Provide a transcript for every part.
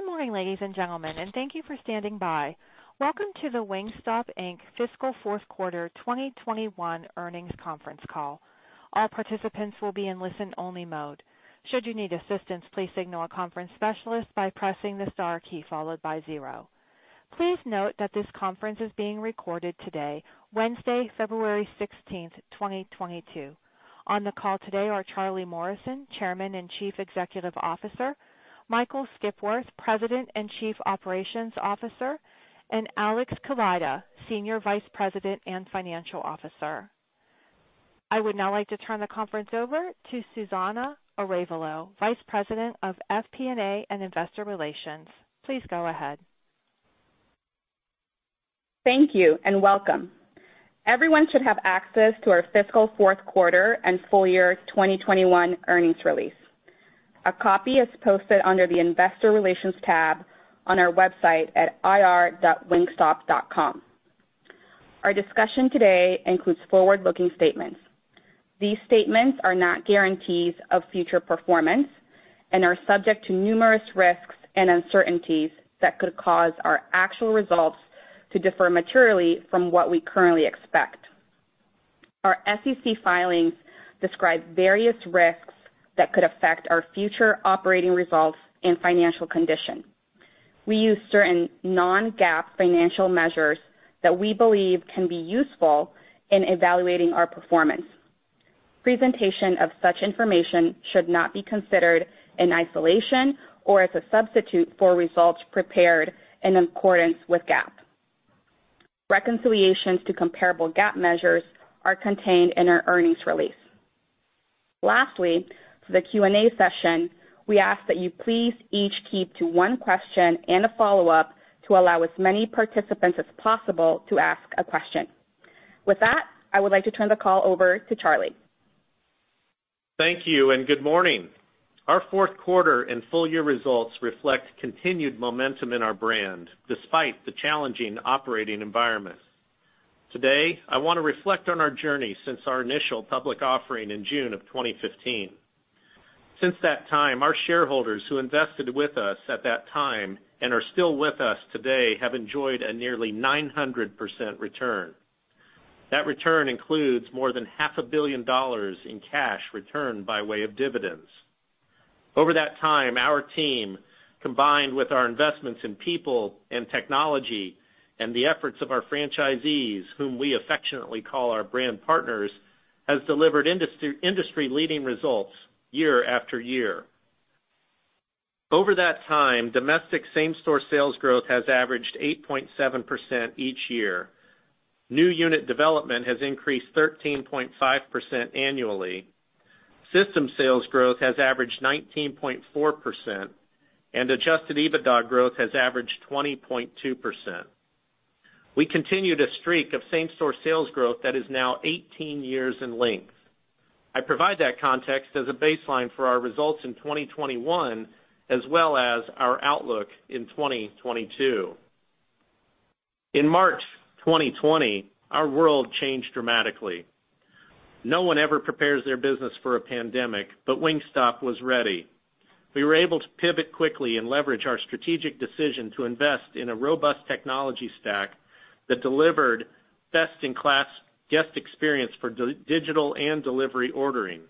Good morning, ladies and gentlemen, and thank you for standing by. Welcome to the Wingstop Inc. fiscal fourth quarter 2021 earnings conference call. All participants will be in listen-only mode. Should you need assistance, please signal a conference specialist by pressing the star key followed by zero. Please note that this conference is being recorded today, Wednesday, February 16, 2022. On the call today are Charlie Morrison, Chairman and Chief Executive Officer, Michael Skipworth, President and Chief Operations Officer, and Alex Kaleida, Senior Vice President and Chief Financial Officer. I would now like to turn the conference over to Susana Arevalo, Vice President of FP&A and Investor Relations. Please go ahead. Thank you, and welcome. Everyone should have access to our fiscal fourth quarter and full year 2021 earnings release. A copy is posted under the Investor Relations tab on our website at ir.wingstop.com. Our discussion today includes forward-looking statements. These statements are not guarantees of future performance and are subject to numerous risks and uncertainties that could cause our actual results to differ materially from what we currently expect. Our SEC filings describe various risks that could affect our future operating results and financial condition. We use certain non-GAAP financial measures that we believe can be useful in evaluating our performance. Presentation of such information should not be considered in isolation or as a substitute for results prepared in accordance with GAAP. Reconciliations to comparable GAAP measures are contained in our earnings release. Lastly, for the Q&A session, we ask that you please each keep to one question and a follow-up to allow as many participants as possible to ask a question. With that, I would like to turn the call over to Charlie. Thank you and good morning. Our fourth quarter and full year results reflect continued momentum in our brand despite the challenging operating environment. Today, I want to reflect on our journey since our initial public offering in June of 2015. Since that time, our shareholders who invested with us at that time and are still with us today have enjoyed a nearly 900% return. That return includes more than half a billion dollars in cash returned by way of dividends. Over that time, our team, combined with our investments in people and technology and the efforts of our franchisees, whom we affectionately call our brand partners, has delivered industry leading results year after year. Over that time, domestic same-store sales growth has averaged 8.7% each year. New unit development has increased 13.5% annually. System sales growth has averaged 19.4%, and adjusted EBITDA growth has averaged 20.2%. We continue the streak of same-store sales growth that is now 18 years in length. I provide that context as a baseline for our results in 2021, as well as our outlook in 2022. In March 2020, our world changed dramatically. No one ever prepares their business for a pandemic, but Wingstop was ready. We were able to pivot quickly and leverage our strategic decision to invest in a robust technology stack that delivered best-in-class guest experience for digital and delivery ordering.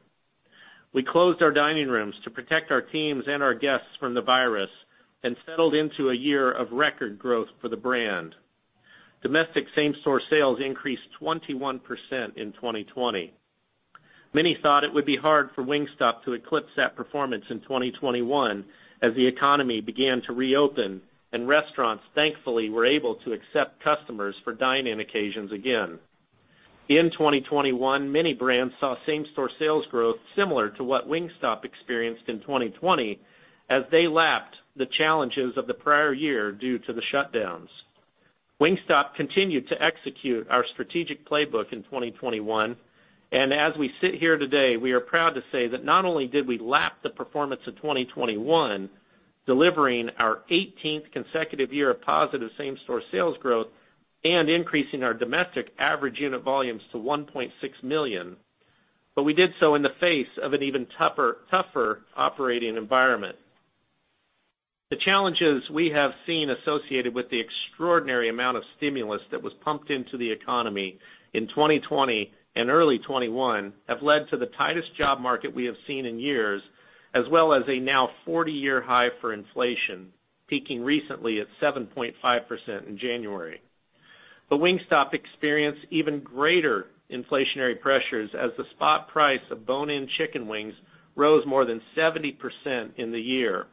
We closed our dining rooms to protect our teams and our guests from the virus and settled into a year of record growth for the brand. Domestic same-store sales increased 21% in 2020. Many thought it would be hard for Wingstop to eclipse that performance in 2021 as the economy began to reopen and restaurants, thankfully, were able to accept customers for dine-in occasions again. In 2021, many brands saw same-store sales growth similar to what Wingstop experienced in 2020 as they lapped the challenges of the prior year due to the shutdowns. Wingstop continued to execute our strategic playbook in 2021, and as we sit here today, we are proud to say that not only did we lap the performance of 2021, delivering our 18th consecutive year of positive same-store sales growth and increasing our domestic average unit volumes to $1.6 million, but we did so in the face of an even tougher operating environment. The challenges we have seen associated with the extraordinary amount of stimulus that was pumped into the economy in 2020 and early 2021 have led to the tightest job market we have seen in years, as well as a now 40-year high for inflation, peaking recently at 7.5% in January. Wingstop experienced even greater inflationary pressures as the spot price of bone-in chicken wings rose more than 70% in the year.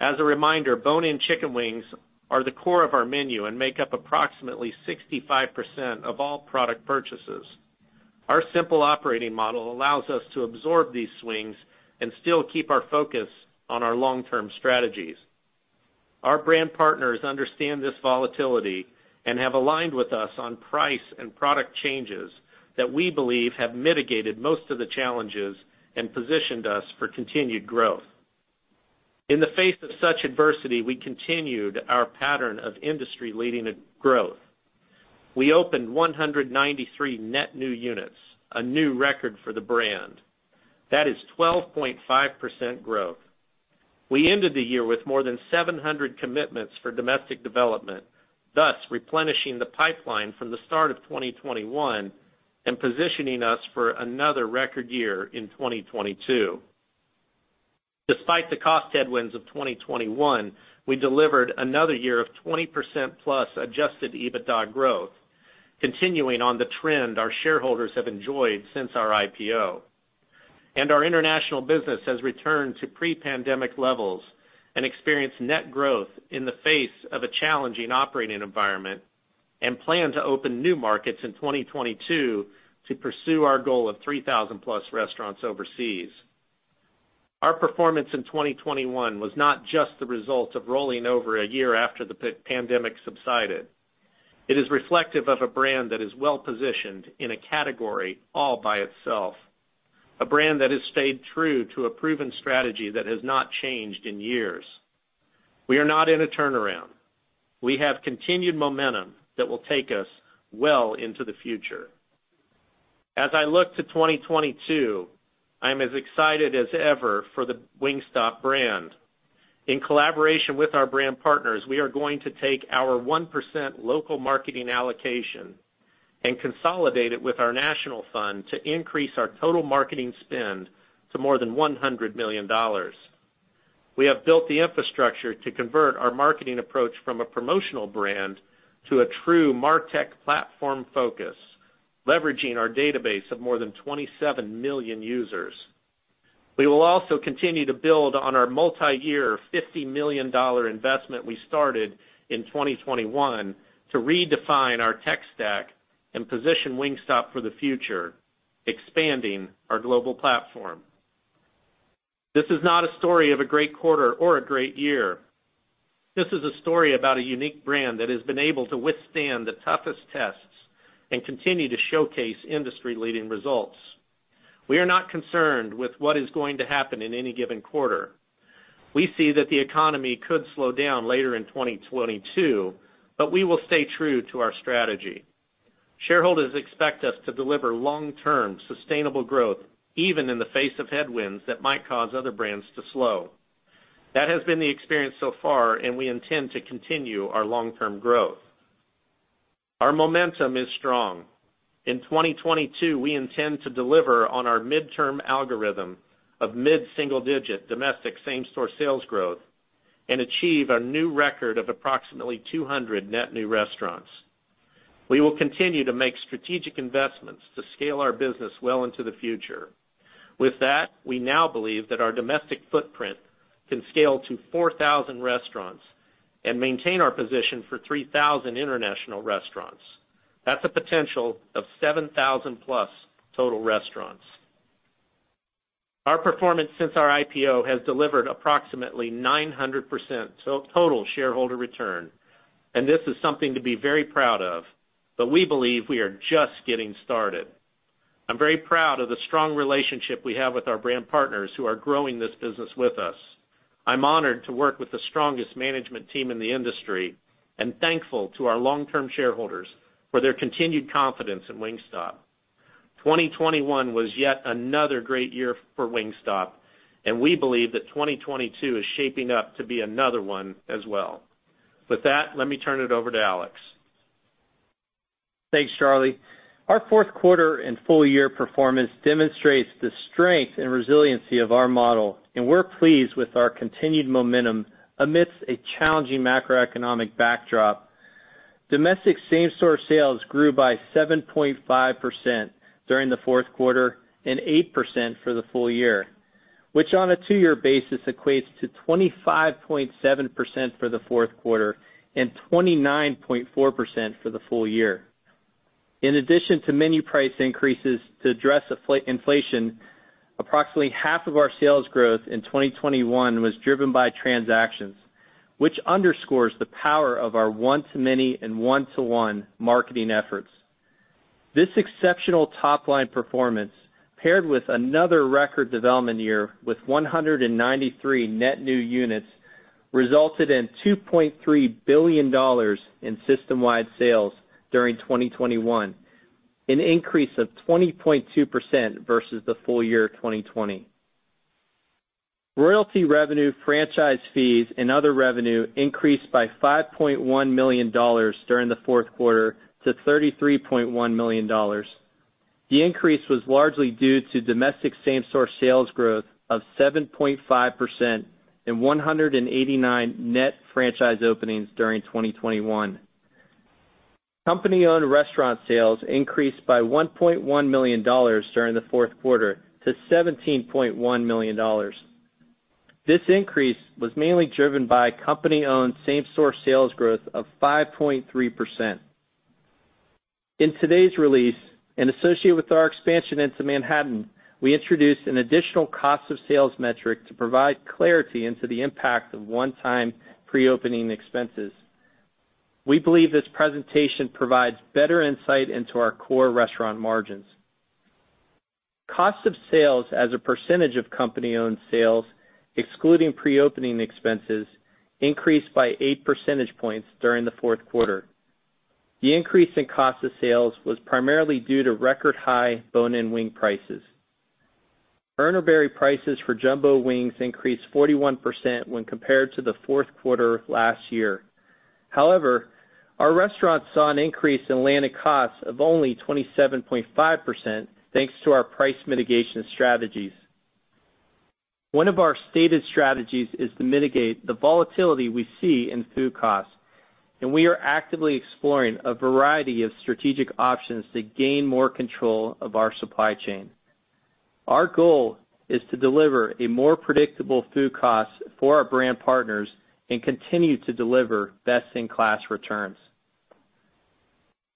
As a reminder, bone-in chicken wings are the core of our menu and make up approximately 65% of all product purchases. Our simple operating model allows us to absorb these swings and still keep our focus on our long-term strategies. Our brand partners understand this volatility and have aligned with us on price and product changes that we believe have mitigated most of the challenges and positioned us for continued growth. In the face of such adversity, we continued our pattern of industry-leading growth. We opened 193 net new units, a new record for the brand. That is 12.5% growth. We ended the year with more than 700 commitments for domestic development, thus replenishing the pipeline from the start of 2021 and positioning us for another record year in 2022. Despite the cost headwinds of 2021, we delivered another year of 20%+ adjusted EBITDA growth, continuing on the trend our shareholders have enjoyed since our IPO. Our international business has returned to pre-pandemic levels and experienced net growth in the face of a challenging operating environment and plan to open new markets in 2022 to pursue our goal of 3,000+ restaurants overseas. Our performance in 2021 was not just the result of rolling over a year after the pa-pandemic subsided. It is reflective of a brand that is well-positioned in a category all by itself, a brand that has stayed true to a proven strategy that has not changed in years. We are not in a turnaround. We have continued momentum that will take us well into the future. As I look to 2022, I'm as excited as ever for the Wingstop brand. In collaboration with our brand partners, we are going to take our 1% local marketing allocation and consolidate it with our national fund to increase our total marketing spend to more than $100 million. We have built the infrastructure to convert our marketing approach from a promotional brand to a true martech platform focus, leveraging our database of more than 27 million users. We will also continue to build on our multi-year $50 million investment we started in 2021 to redefine our tech stack and position Wingstop for the future, expanding our global platform. This is not a story of a great quarter or a great year. This is a story about a unique brand that has been able to withstand the toughest tests and continue to showcase industry-leading results. We are not concerned with what is going to happen in any given quarter. We see that the economy could slow down later in 2022, but we will stay true to our strategy. Shareholders expect us to deliver long-term sustainable growth, even in the face of headwinds that might cause other brands to slow. That has been the experience so far, and we intend to continue our long-term growth. Our momentum is strong. In 2022, we intend to deliver on our midterm algorithm of mid-single-digit domestic same-store sales growth and achieve a new record of approximately 200 net new restaurants. We will continue to make strategic investments to scale our business well into the future. With that, we now believe that our domestic footprint can scale to 4,000 restaurants and maintain our position for 3,000 international restaurants. That's a potential of 7,000+ total restaurants. Our performance since our IPO has delivered approximately 900% total shareholder return, and this is something to be very proud of, but we believe we are just getting started. I'm very proud of the strong relationship we have with our brand partners who are growing this business with us. I'm honored to work with the strongest management team in the industry and thankful to our long-term shareholders for their continued confidence in Wingstop. 2021 was yet another great year for Wingstop, and we believe that 2022 is shaping up to be another one as well. With that, let me turn it over to Alex. Thanks, Charlie. Our fourth quarter and full year performance demonstrates the strength and resiliency of our model, and we're pleased with our continued momentum amidst a challenging macroeconomic backdrop. Domestic same-store sales grew by 7.5% during the fourth quarter and 8% for the full year, which on a two-year basis equates to 25.7% for the fourth quarter and 29.4% for the full year. In addition to menu price increases to address inflation, approximately half of our sales growth in 2021 was driven by transactions, which underscores the power of our one-to-many and one-to-one marketing efforts. This exceptional top-line performance, paired with another record development year with 193 net new units, resulted in $2.3 billion in system-wide sales during 2021, an increase of 20.2% versus the full year of 2020. Royalty revenue, franchise fees, and other revenue increased by $5.1 million during the fourth quarter to $33.1 million. The increase was largely due to domestic same-store sales growth of 7.5% and 189 net franchise openings during 2021. Company-owned restaurant sales increased by $1.1 million during the fourth quarter to $17.1 million. This increase was mainly driven by company-owned same-store sales growth of 5.3%. In today's release, associated with our expansion into Manhattan, we introduced an additional cost of sales metric to provide clarity into the impact of one-time pre-opening expenses. We believe this presentation provides better insight into our core restaurant margins. Cost of sales as a percentage of company-owned sales, excluding pre-opening expenses, increased by 8 percentage points during the fourth quarter. The increase in cost of sales was primarily due to record high bone-in wing prices. Urner Barry prices for jumbo wings increased 41% when compared to the fourth quarter of last year. However, our restaurants saw an increase in landed costs of only 27.5%, thanks to our price mitigation strategies. One of our stated strategies is to mitigate the volatility we see in food costs, and we are actively exploring a variety of strategic options to gain more control of our supply chain. Our goal is to deliver a more predictable food cost for our brand partners and continue to deliver best-in-class returns.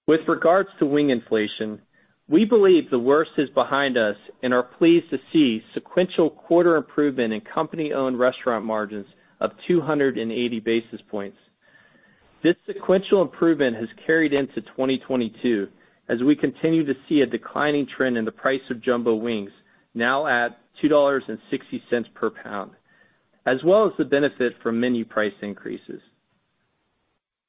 With regards to wing inflation, we believe the worst is behind us and are pleased to see sequential quarter improvement in company-owned restaurant margins of 280 basis points. This sequential improvement has carried into 2022, as we continue to see a declining trend in the price of jumbo wings, now at $2.60 per pound, as well as the benefit from menu price increases.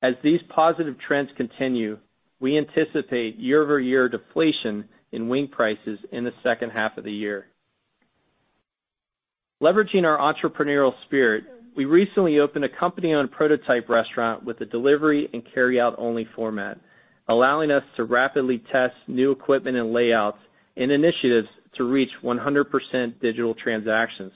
As these positive trends continue, we anticipate year-over-year deflation in wing prices in the second half of the year. Leveraging our entrepreneurial spirit, we recently opened a company-owned prototype restaurant with a delivery and carryout-only format, allowing us to rapidly test new equipment and layouts and initiatives to reach 100% digital transactions.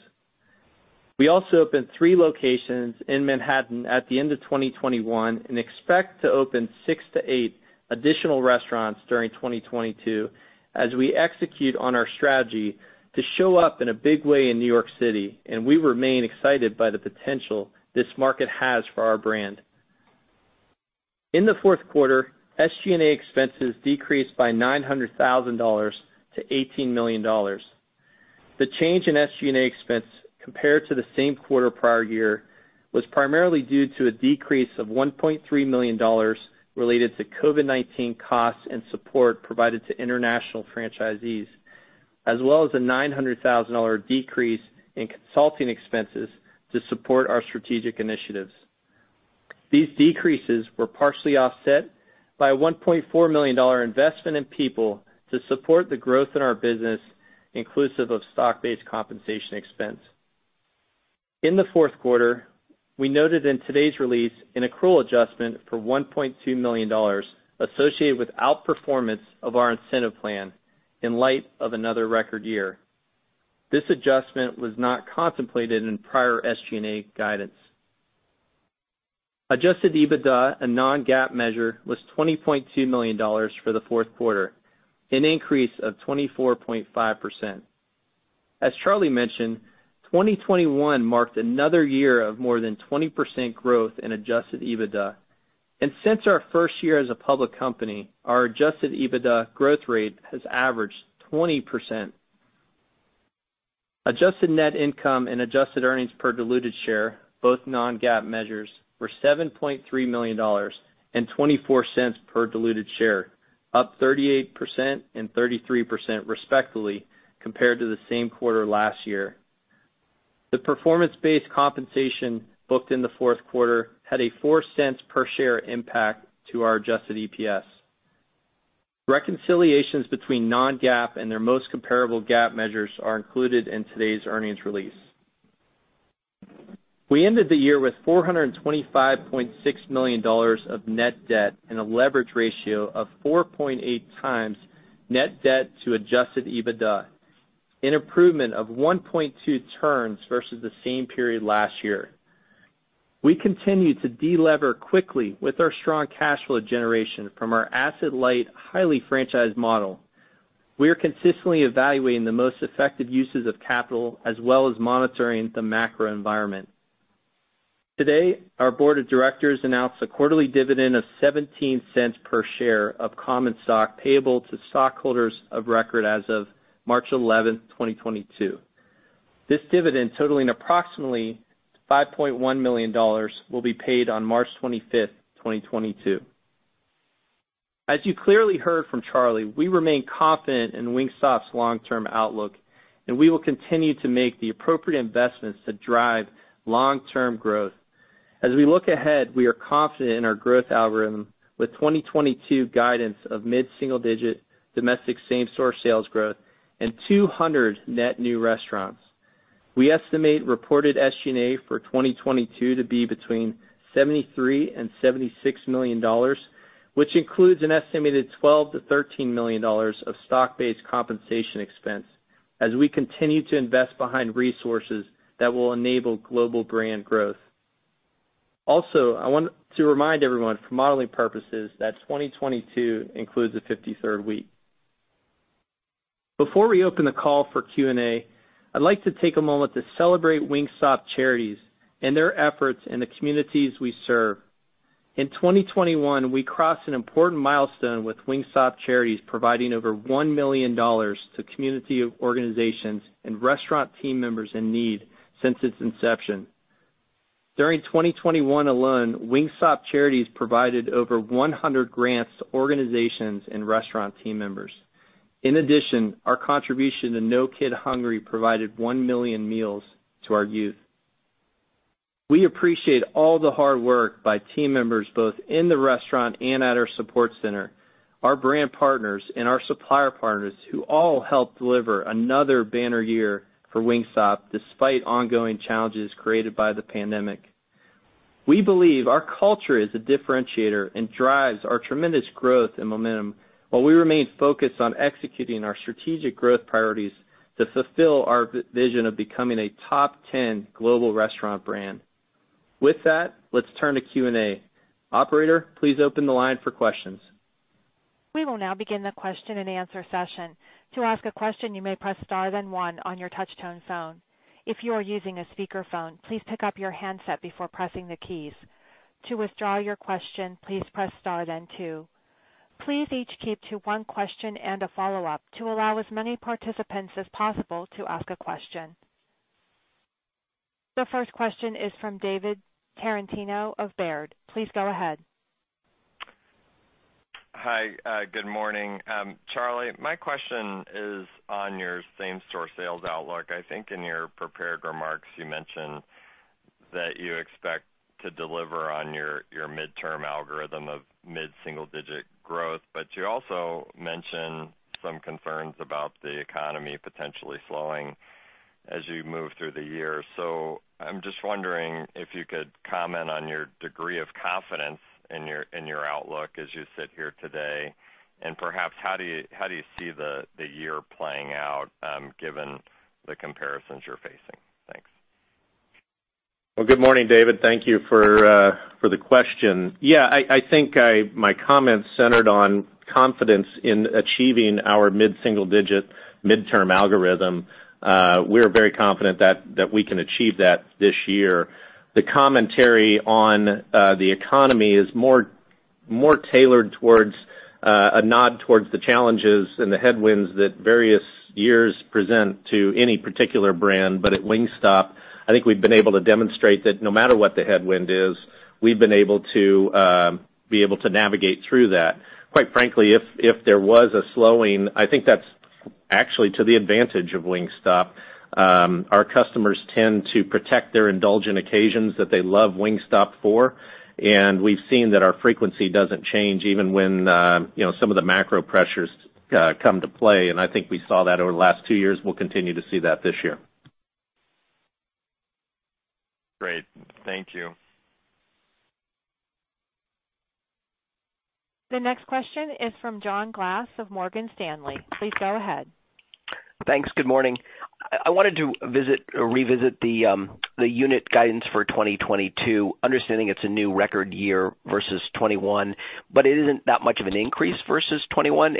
We also opened three locations in Manhattan at the end of 2021 and expect to open six-eight additional restaurants during 2022 as we execute on our strategy to show up in a big way in New York City, and we remain excited by the potential this market has for our brand. In the fourth quarter, SG&A expenses decreased by $900,000 to $18 million. The change in SG&A expense compared to the same quarter prior year was primarily due to a decrease of $1.3 million related to COVID-19 costs and support provided to international franchisees, as well as a $900,000 decrease in consulting expenses to support our strategic initiatives. These decreases were partially offset by a $1.4 million investment in people to support the growth in our business, inclusive of stock-based compensation expense. In the fourth quarter, we noted in today's release an accrual adjustment for $1.2 million associated with outperformance of our incentive plan in light of another record year. This adjustment was not contemplated in prior SG&A guidance. Adjusted EBITDA, a non-GAAP measure, was $20.2 million for the fourth quarter, an increase of 24.5%. As Charlie mentioned, 2021 marked another year of more than 20% growth in adjusted EBITDA. Since our first year as a public company, our adjusted EBITDA growth rate has averaged 20%. Adjusted net income and adjusted earnings per diluted share, both non-GAAP measures, were $7.3 million and $0.24 per diluted share, up 38% and 33% respectively compared to the same quarter last year. The performance-based compensation booked in the fourth quarter had a $0.04 per share impact to our adjusted EPS. Reconciliations between non-GAAP and their most comparable GAAP measures are included in today's earnings release. We ended the year with $425.6 million of net debt and a leverage ratio of 4.8 times net debt to adjusted EBITDA, an improvement of 1.2 turns versus the same period last year. We continue to delever quickly with our strong cash flow generation from our asset-light, highly franchised model. We are consistently evaluating the most effective uses of capital as well as monitoring the macro environment. Today, our board of directors announced a quarterly dividend of $0.17 per share of common stock payable to stockholders of record as of March 11, 2022. This dividend, totaling approximately $5.1 million, will be paid on March 25, 2022. As you clearly heard from Charlie, we remain confident in Wingstop's long-term outlook, and we will continue to make the appropriate investments to drive long-term growth. As we look ahead, we are confident in our growth algorithm with 2022 guidance of mid-single-digit domestic same-store sales growth and 200 net new restaurants. We estimate reported SG&A for 2022 to be between $73 million and $76 million, which includes an estimated $12 million-$13 million of stock-based compensation expense as we continue to invest behind resources that will enable global brand growth. Also, I want to remind everyone for modeling purposes that 2022 includes a 53rd week. Before we open the call for Q&A, I'd like to take a moment to celebrate Wingstop Charities and their efforts in the communities we serve. In 2021, we crossed an important milestone with Wingstop Charities providing over $1 million to community organizations and restaurant team members in need since its inception. During 2021 alone, Wingstop Charities provided over 100 grants to organizations and restaurant team members. In addition, our contribution to No Kid Hungry provided one million meals to our youth. We appreciate all the hard work by team members, both in the restaurant and at our support center, our brand partners and our supplier partners who all helped deliver another banner year for Wingstop despite ongoing challenges created by the pandemic. We believe our culture is a differentiator and drives our tremendous growth and momentum while we remain focused on executing our strategic growth priorities to fulfill our vision of becoming a top 10 global restaurant brand. With that, let's turn to Q&A. Operator, please open the line for questions. We will now begin the question-and-answer session. To ask a question, you may press star then one on your touchtone phone. If you are using a speakerphone, please pick up your handset before pressing the keys. To withdraw your question, please press star then two. Please each keep to one question and a follow-up to allow as many participants as possible to ask a question. The first question is from David Tarantino of Baird. Please go ahead. Hi. Good morning. Charlie, my question is on your same-store sales outlook. I think in your prepared remarks, you mentioned that you expect to deliver on your midterm algorithm of mid-single digit growth, but you also mentioned some concerns about the economy potentially slowing as you move through the year. I'm just wondering if you could comment on your degree of confidence in your outlook as you sit here today. Perhaps how do you see the year playing out, given the comparisons you're facing? Thanks. Well, good morning, David. Thank you for the question. Yeah. I think my comments centered on confidence in achieving our mid-single-digit midterm algorithm. We're very confident that we can achieve that this year. The commentary on the economy is more tailored towards a nod towards the challenges and the headwinds that various years present to any particular brand. At Wingstop, I think we've been able to demonstrate that no matter what the headwind is, we've been able to navigate through that. Quite frankly, if there was a slowing, I think that's actually to the advantage of Wingstop. Our customers tend to protect their indulgent occasions that they love Wingstop for, and we've seen that our frequency doesn't change even when, you know, some of the macro pressures come to play. I think we saw that over the last two years, we'll continue to see that this year. Great. Thank you. The next question is from John Glass of Morgan Stanley. Please go ahead. Thanks. Good morning. I wanted to revisit the the unit guidance for 2022, understanding it's a new record year versus 2021, but it isn't that much of an increase versus 2021.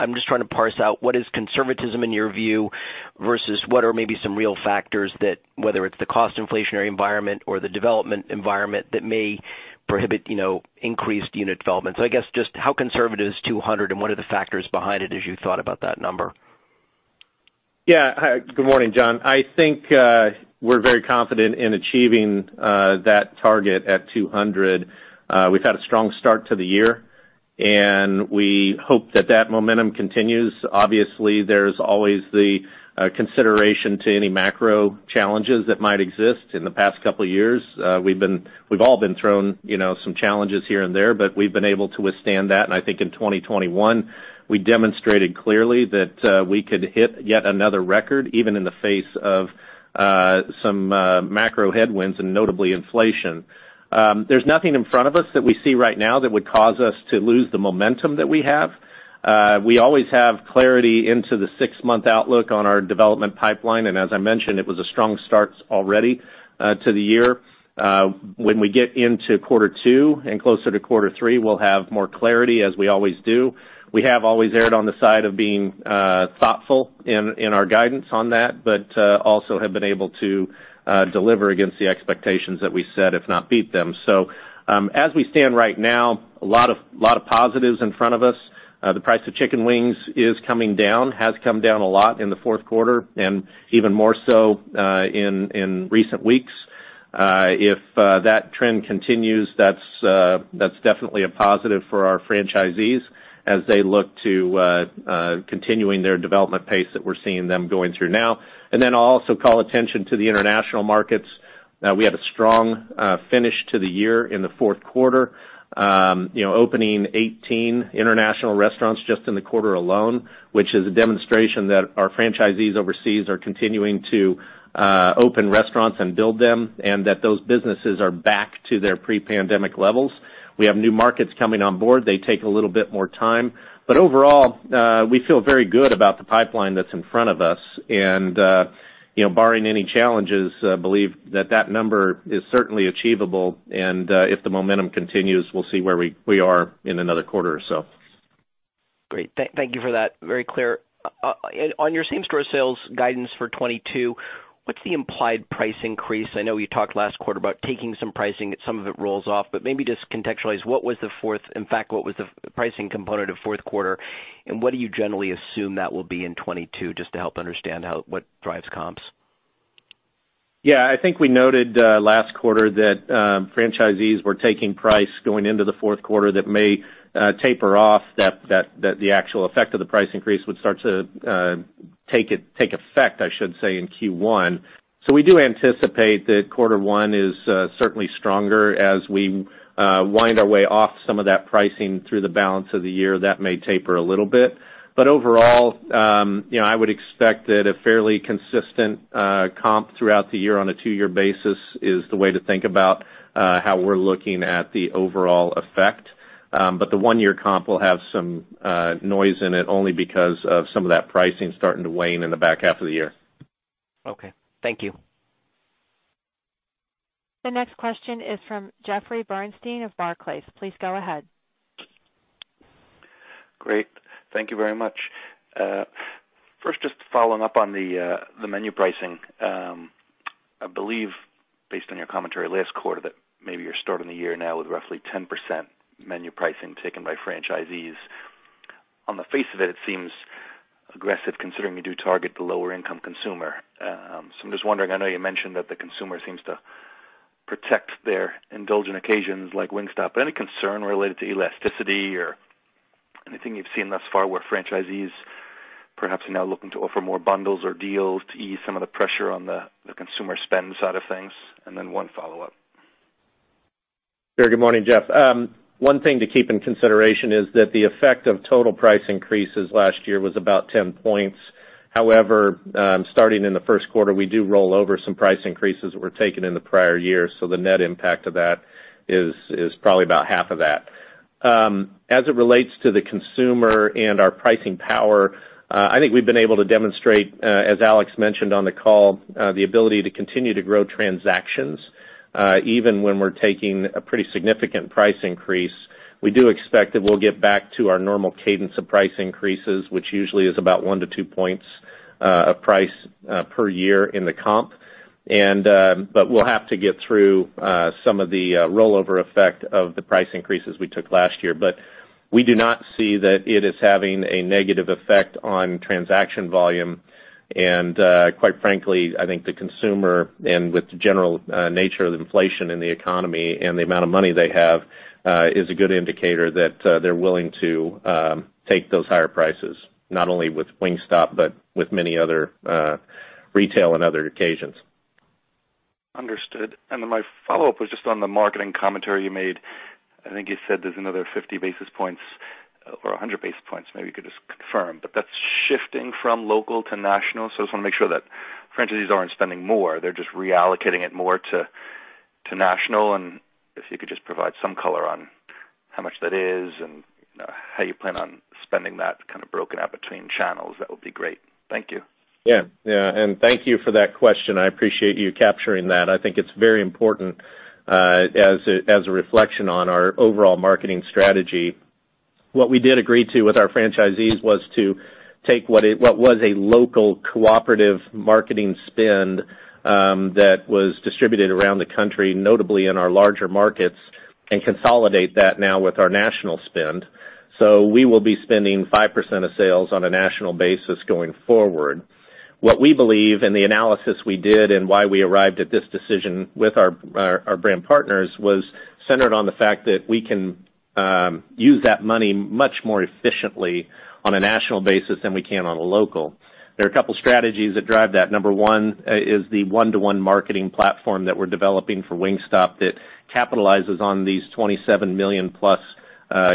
I'm just trying to parse out what is conservatism in your view versus what are maybe some real factors that whether it's the cost inflationary environment or the development environment that may prohibit, you know, increased unit development. I guess just how conservative is 200 and what are the factors behind it as you thought about that number? Yeah. Good morning, John. I think we're very confident in achieving that target at 200. We've had a strong start to the year, and we hope that momentum continues. Obviously, there's always the consideration to any macro challenges that might exist. In the past couple of years, we've all been thrown, you know, some challenges here and there, but we've been able to withstand that. I think in 2021, we demonstrated clearly that we could hit yet another record, even in the face of some macro headwinds and notably inflation. There's nothing in front of us that we see right now that would cause us to lose the momentum that we have. We always have clarity into the six-month outlook on our development pipeline, and as I mentioned, it was a strong start already to the year. When we get into quarter two and closer to quarter three, we'll have more clarity as we always do. We have always erred on the side of being thoughtful in our guidance on that, but also have been able to deliver against the expectations that we set, if not beat them. As we stand right now, a lot of positives in front of us. The price of chicken wings is coming down, has come down a lot in the fourth quarter and even more so in recent weeks. If that trend continues, that's definitely a positive for our franchisees as they look to continuing their development pace that we're seeing them going through now. I'll also call attention to the international markets. We had a strong finish to the year in the fourth quarter, you know, opening 18 international restaurants just in the quarter alone, which is a demonstration that our franchisees overseas are continuing to open restaurants and build them, and that those businesses are back to their pre-pandemic levels. We have new markets coming on board. They take a little bit more time. Overall, we feel very good about the pipeline that's in front of us. You know, barring any challenges, we believe that number is certainly achievable. If the momentum continues, we'll see where we are in another quarter or so. Great. Thank you for that. Very clear. On your same-store sales guidance for 2022, what's the implied price increase? I know you talked last quarter about taking some pricing, some of it rolls off, but maybe just contextualize what was the fourth quarter. In fact, what was the pricing component of fourth quarter, and what do you generally assume that will be in 2022, just to help understand what drives comps? Yeah, I think we noted last quarter that franchisees were taking price going into the fourth quarter that may taper off that the actual effect of the price increase would start to take effect, I should say, in Q1. We do anticipate that quarter one is certainly stronger. As we wind our way off some of that pricing through the balance of the year, that may taper a little bit. Overall, you know, I would expect that a fairly consistent comp throughout the year on a two-year basis is the way to think about how we're looking at the overall effect. The one-year comp will have some noise in it only because of some of that pricing starting to wane in the back half of the year. Okay. Thank you. The next question is from Jeffrey Bernstein of Barclays. Please go ahead. Great. Thank you very much. First, just following up on the menu pricing. I believe, based on your commentary last quarter, that maybe you're starting the year now with roughly 10% menu pricing taken by franchisees. On the face of it seems aggressive, considering you do target the lower income consumer. I'm just wondering, I know you mentioned that the consumer seems to protect their indulgent occasions like Wingstop. Any concern related to elasticity or anything you've seen thus far where franchisees perhaps are now looking to offer more bundles or deals to ease some of the pressure on the consumer spend side of things? One follow up. Very good morning, Jeffrey. One thing to keep in consideration is that the effect of total price increases last year was about 10 points. However, starting in the first quarter, we do roll over some price increases that were taken in the prior year. The net impact of that is probably about half of that. As it relates to the consumer and our pricing power, I think we've been able to demonstrate, as Alex mentioned on the call, the ability to continue to grow transactions, even when we're taking a pretty significant price increase. We do expect that we'll get back to our normal cadence of price increases, which usually is about one point-two points of price per year in the comp. We'll have to get through some of the rollover effect of the price increases we took last year. We do not see that it is having a negative effect on transaction volume. Quite frankly, I think the consumer, and with the general nature of inflation in the economy and the amount of money they have, is a good indicator that they're willing to take those higher prices, not only with Wingstop, but with many other retail and other occasions. Understood. Then my follow up was just on the marketing commentary you made. I think you said there's another 50 basis points or 100 basis points, maybe you could just confirm, but that's shifting from local to national. I just wanna make sure that franchisees aren't spending more, they're just reallocating it more to national. If you could just provide some color on how much that is and how you plan on spending that kind of broken out between channels, that would be great. Thank you. Yeah. Yeah, thank you for that question. I appreciate you capturing that. I think it's very important as a reflection on our overall marketing strategy. What we did agree to with our franchisees was to take what was a local cooperative marketing spend that was distributed around the country, notably in our larger markets, and consolidate that now with our national spend. We will be spending 5% of sales on a national basis going forward. What we believe, and the analysis we did and why we arrived at this decision with our brand partners, was centered on the fact that we can use that money much more efficiently on a national basis than we can on a local. There are a couple strategies that drive that. Number one is the one-to-one marketing platform that we're developing for Wingstop that capitalizes on these 27 million+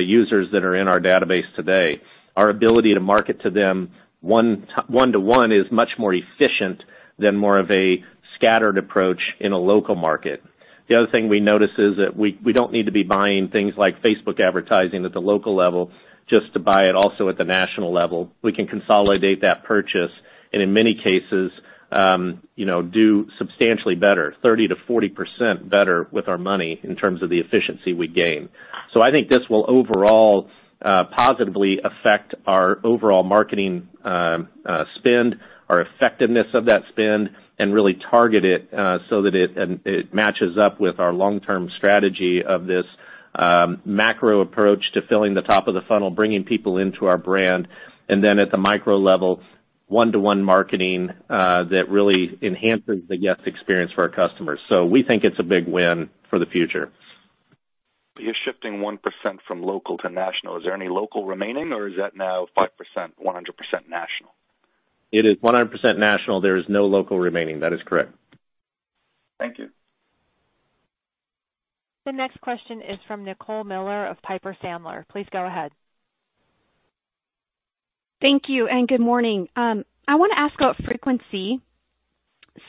users that are in our database today. Our ability to market to them one to one is much more efficient than more of a scattered approach in a local market. The other thing we notice is that we don't need to be buying things like Facebook advertising at the local level just to buy it also at the national level. We can consolidate that purchase and in many cases, you know, do substantially better, 30%-40% better with our money in terms of the efficiency we gain. I think this will overall positively affect our overall marketing spend, our effectiveness of that spend and really target it so that it matches up with our long-term strategy of this macro approach to filling the top of the funnel, bringing people into our brand, and then at the micro level, one-to-one marketing that really enhances the guest experience for our customers. We think it's a big win for the future. You're shifting 1% from local to national. Is there any local remaining or is that now 5%, 100% national? It is 100% national. There is no local remaining. That is correct. Thank you. The next question is from Nicole Miller of Piper Sandler. Please go ahead. Thank you and good morning. I wanna ask about frequency.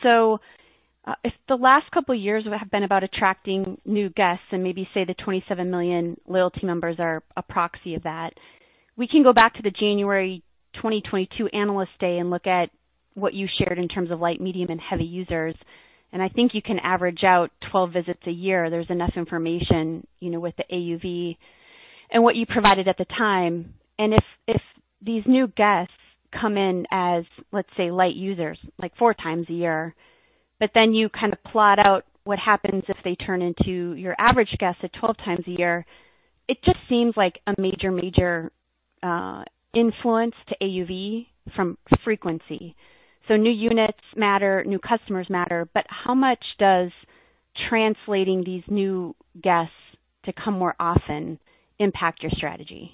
If the last couple of years have been about attracting new guests and maybe say the 27 million loyalty members are a proxy of that, we can go back to the January 2022 Analyst Day and look at what you shared in terms of light, medium, and heavy users. I think you can average out 12 visits a year. There's enough information, you know, with the AUV and what you provided at the time. If these new guests come in as, let's say, light users, like four times a year, but then you kind of plot out what happens if they turn into your average guest at 12 times a year, it just seems like a major influence to AUV from frequency. New units matter, new customers matter, but how much does translating these new guests to come more often impact your strategy?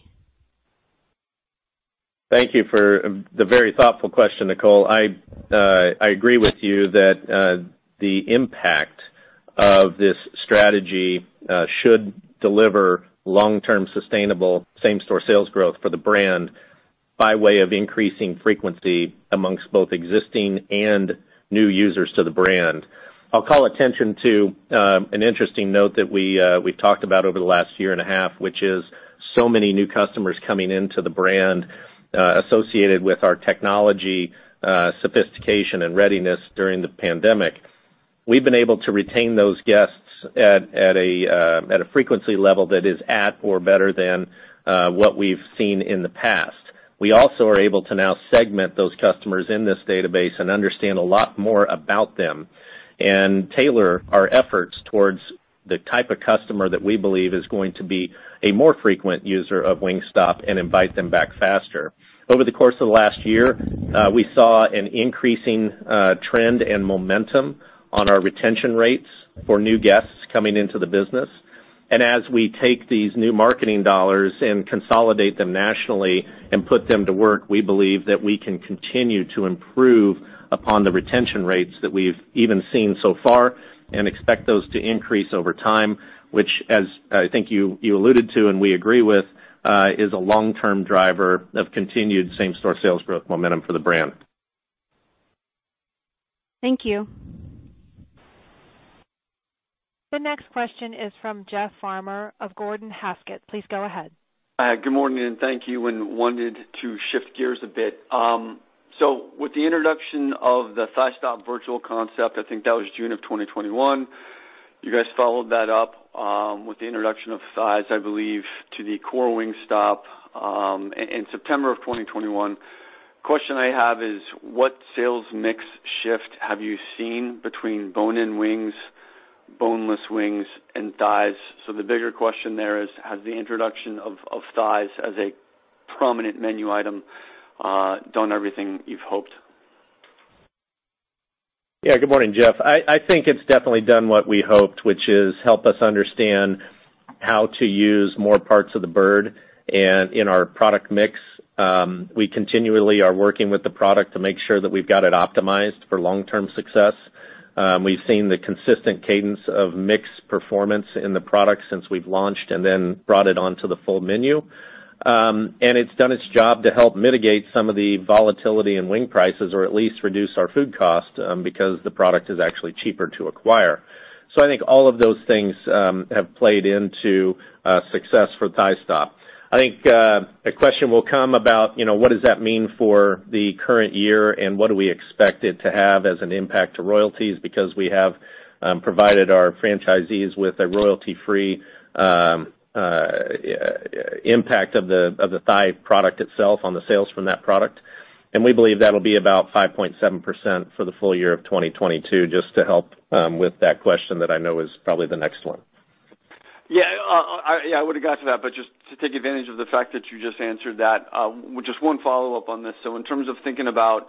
Thank you for the very thoughtful question, Nicole. I agree with you that the impact of this strategy should deliver long-term sustainable same-store sales growth for the brand by way of increasing frequency amongst both existing and new users to the brand. I'll call attention to an interesting note that we've talked about over the last year and a half, which is so many new customers coming into the brand associated with our technology sophistication and readiness during the pandemic. We've been able to retain those guests at a frequency level that is at or better than what we've seen in the past. We also are able to now segment those customers in this database and understand a lot more about them and tailor our efforts towards the type of customer that we believe is going to be a more frequent user of Wingstop and invite them back faster. Over the course of last year, we saw an increasing trend and momentum on our retention rates for new guests coming into the business. As we take these new marketing dollars and consolidate them nationally and put them to work, we believe that we can continue to improve upon the retention rates that we've even seen so far and expect those to increase over time, which as I think you alluded to and we agree with is a long-term driver of continued same-store sales growth momentum for the brand. Thank you. The next question is from Jeff Farmer of Gordon Haskett. Please go ahead. Good morning, and thank you and wanted to shift gears a bit. With the introduction of the Thighstop virtual concept, I think that was June of 2021. You guys followed that up with the introduction of thighs, I believe, to the core Wingstop in September of 2021. Question I have is, what sales mix shift have you seen between bone-in wings, boneless wings, and thighs? The bigger question there is, has the introduction of thighs as a prominent menu item done everything you've hoped? Yeah, good morning, Jeff. I think it's definitely done what we hoped, which is help us understand how to use more parts of the bird and in our product mix. We continually are working with the product to make sure that we've got it optimized for long-term success. We've seen the consistent cadence of mix performance in the product since we've launched and then brought it on to the full menu. It's done its job to help mitigate some of the volatility in wing prices or at least reduce our food cost, because the product is actually cheaper to acquire. I think all of those things have played into success for Thighstop. I think a question will come about, you know, what does that mean for the current year, and what do we expect it to have as an impact to royalties? Because we have provided our franchisees with a royalty-free impact of the thigh product itself on the sales from that product. We believe that'll be about 5.7% for the full year of 2022, just to help with that question that I know is probably the next one. I would've got to that, but just to take advantage of the fact that you just answered that, just one follow-up on this. In terms of thinking about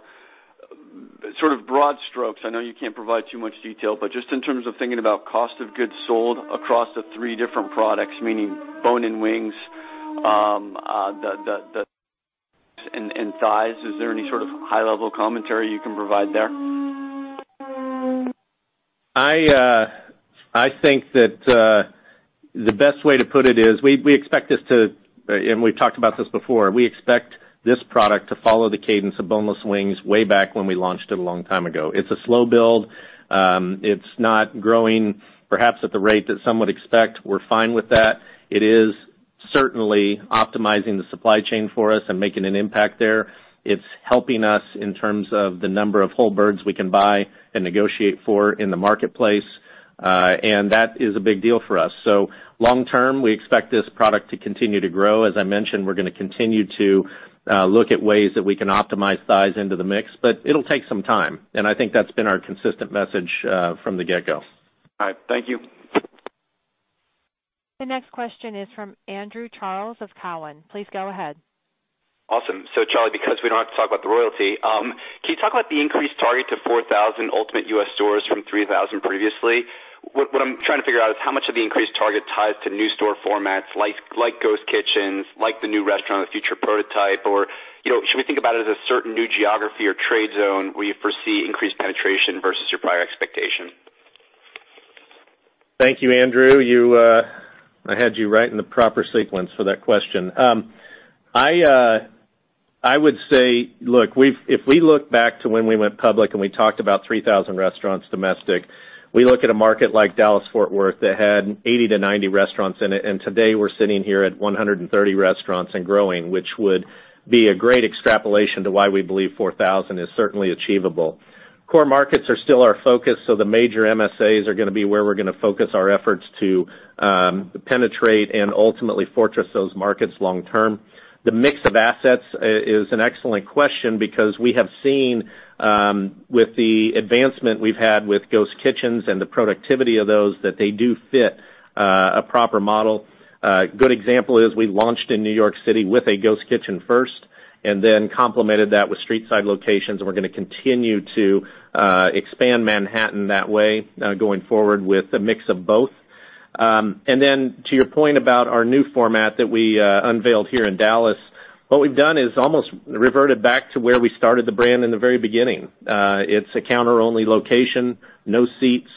sort of broad strokes, I know you can't provide too much detail, but just in terms of thinking about cost of goods sold across the three different products, meaning bone-in wings, and thighs, is there any sort of high-level commentary you can provide there? I think that the best way to put it is we expect this to. We've talked about this before. We expect this product to follow the cadence of boneless wings way back when we launched it a long time ago. It's a slow build. It's not growing perhaps at the rate that some would expect. We're fine with that. It is certainly optimizing the supply chain for us and making an impact there. It's helping us in terms of the number of whole birds we can buy and negotiate for in the marketplace, and that is a big deal for us. Long term, we expect this product to continue to grow. As I mentioned, we're gonna continue to look at ways that we can optimize thighs into the mix, but it'll take some time, and I think that's been our consistent message from the get-go. All right. Thank you. The next question is from Andrew Charles of Cowen. Please go ahead. Awesome. Charlie, because we don't have to talk about the royalty, can you talk about the increased target to 4,000 ultimate US stores from 3,000 previously? What I'm trying to figure out is how much of the increased target ties to new store formats like ghost kitchens, like the new restaurant, the future prototype, or you know, should we think about it as a certain new geography or trade zone where you foresee increased penetration versus your prior expectation? Thank you, Andrew. I had you right in the proper sequence for that question. I would say, look, if we look back to when we went public and we talked about 3,000 restaurants domestic, we look at a market like Dallas-Fort Worth that had 80 restraurants -90 restaurants in it, and today we're sitting here at 130 restaurants and growing, which would be a great extrapolation to why we believe 4,000 is certainly achievable. Core markets are still our focus, so the major MSAs are gonna be where we're gonna focus our efforts to penetrate and ultimately fortress those markets long term. The mix of assets is an excellent question because we have seen with the advancement we've had with ghost kitchens and the productivity of those, that they do fit a proper model. Good example is we launched in New York City with a ghost kitchen first. Then complemented that with street side locations, and we're gonna continue to expand Manhattan that way going forward with a mix of both. To your point about our new format that we unveiled here in Dallas, what we've done is almost reverted back to where we started the brand in the very beginning. It's a counter-only location, no seats,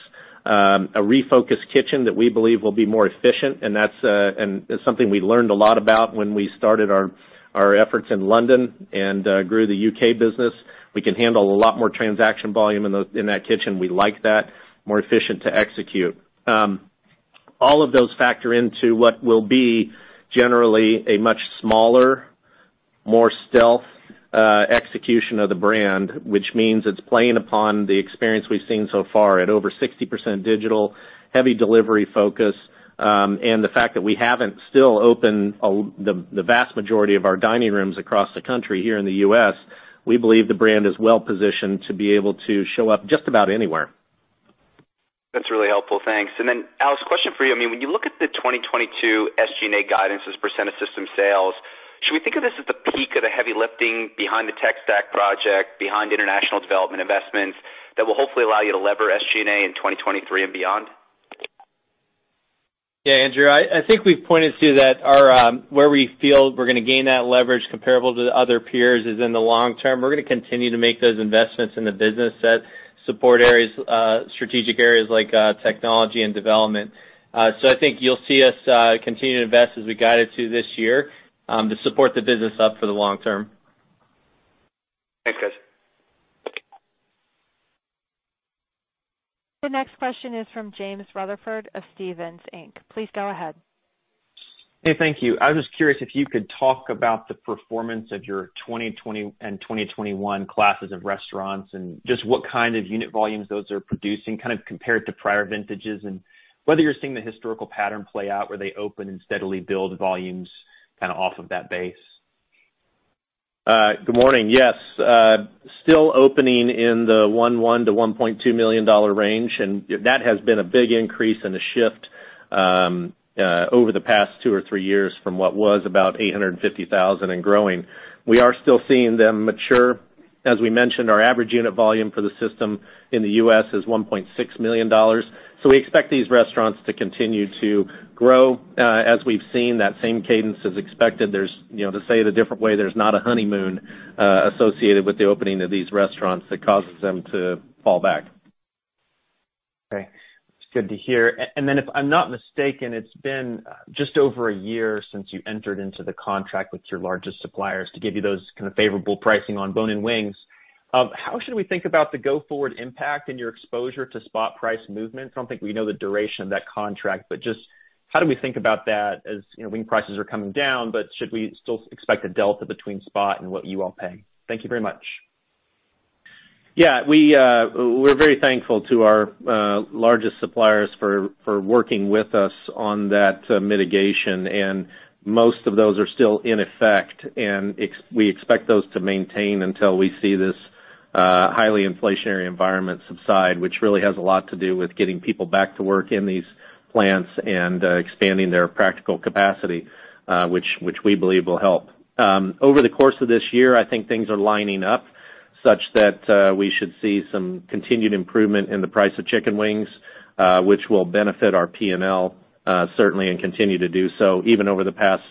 a refocused kitchen that we believe will be more efficient, and that's something we learned a lot about when we started our efforts in London and grew the UK business. We can handle a lot more transaction volume in that kitchen. We like that, more efficient to execute. All of those factor into what will be generally a much smaller, more stealth execution of the brand, which means it's playing upon the experience we've seen so far at over 60% digital, heavy delivery focus, and the fact that we still haven't opened the vast majority of our dining rooms across the country here in the U.S. We believe the brand is well-positioned to be able to show up just about anywhere. That's really helpful. Thanks. Alex, question for you. I mean, when you look at the 2022 SG&A guidance as a % of system sales, should we think of this as the peak of the heavy lifting behind the tech stack project, behind international development investments that will hopefully allow you to lever SG&A in 2023 and beyond? Yeah, Andrew, I think we've pointed to that how we're gonna gain that leverage comparable to the other peers is in the long term. We're gonna continue to make those investments in the business that support strategic areas like technology and development. I think you'll see us continue to invest as we guided to this year to support the business for the long term. Thanks, guys. The next question is from James Rutherford of Stephens Inc. Please go ahead. Hey. Thank you. I was just curious if you could talk about the performance of your 2020 and 2021 classes of restaurants, and just what kind of unit volumes those are producing, kind of compared to prior vintages, and whether you're seeing the historical pattern play out where they open and steadily build volumes kind of off of that base? Good morning. Yes, still opening in the $1-$1.2 million range, and that has been a big increase and a shift over the past two or three years from what was about $850,000 and growing. We are still seeing them mature. As we mentioned, our average unit volume for the system in the U.S. is $1.6 million. We expect these restaurants to continue to grow as we've seen that same cadence as expected. There's to say it a different way, there's not a honeymoon associated with the opening of these restaurants that causes them to fall back. Okay. It's good to hear. If I'm not mistaken, it's been just over a year since you entered into the contract with your largest suppliers to give you those kind of favorable pricing on bone-in wings. How should we think about the go-forward impact and your exposure to spot price movements? I don't think we know the duration of that contract, but just how do we think about that as, you know, wing prices are coming down, but should we still expect a delta between spot and what you all pay? Thank you very much. Yeah. We're very thankful to our largest suppliers for working with us on that mitigation, and most of those are still in effect. We expect those to maintain until we see this highly inflationary environment subside, which really has a lot to do with getting people back to work in these plants and expanding their practical capacity, which we believe will help. Over the course of this year, I think things are lining up such that we should see some continued improvement in the price of chicken wings, which will benefit our P&L certainly, and continue to do so. Even over the past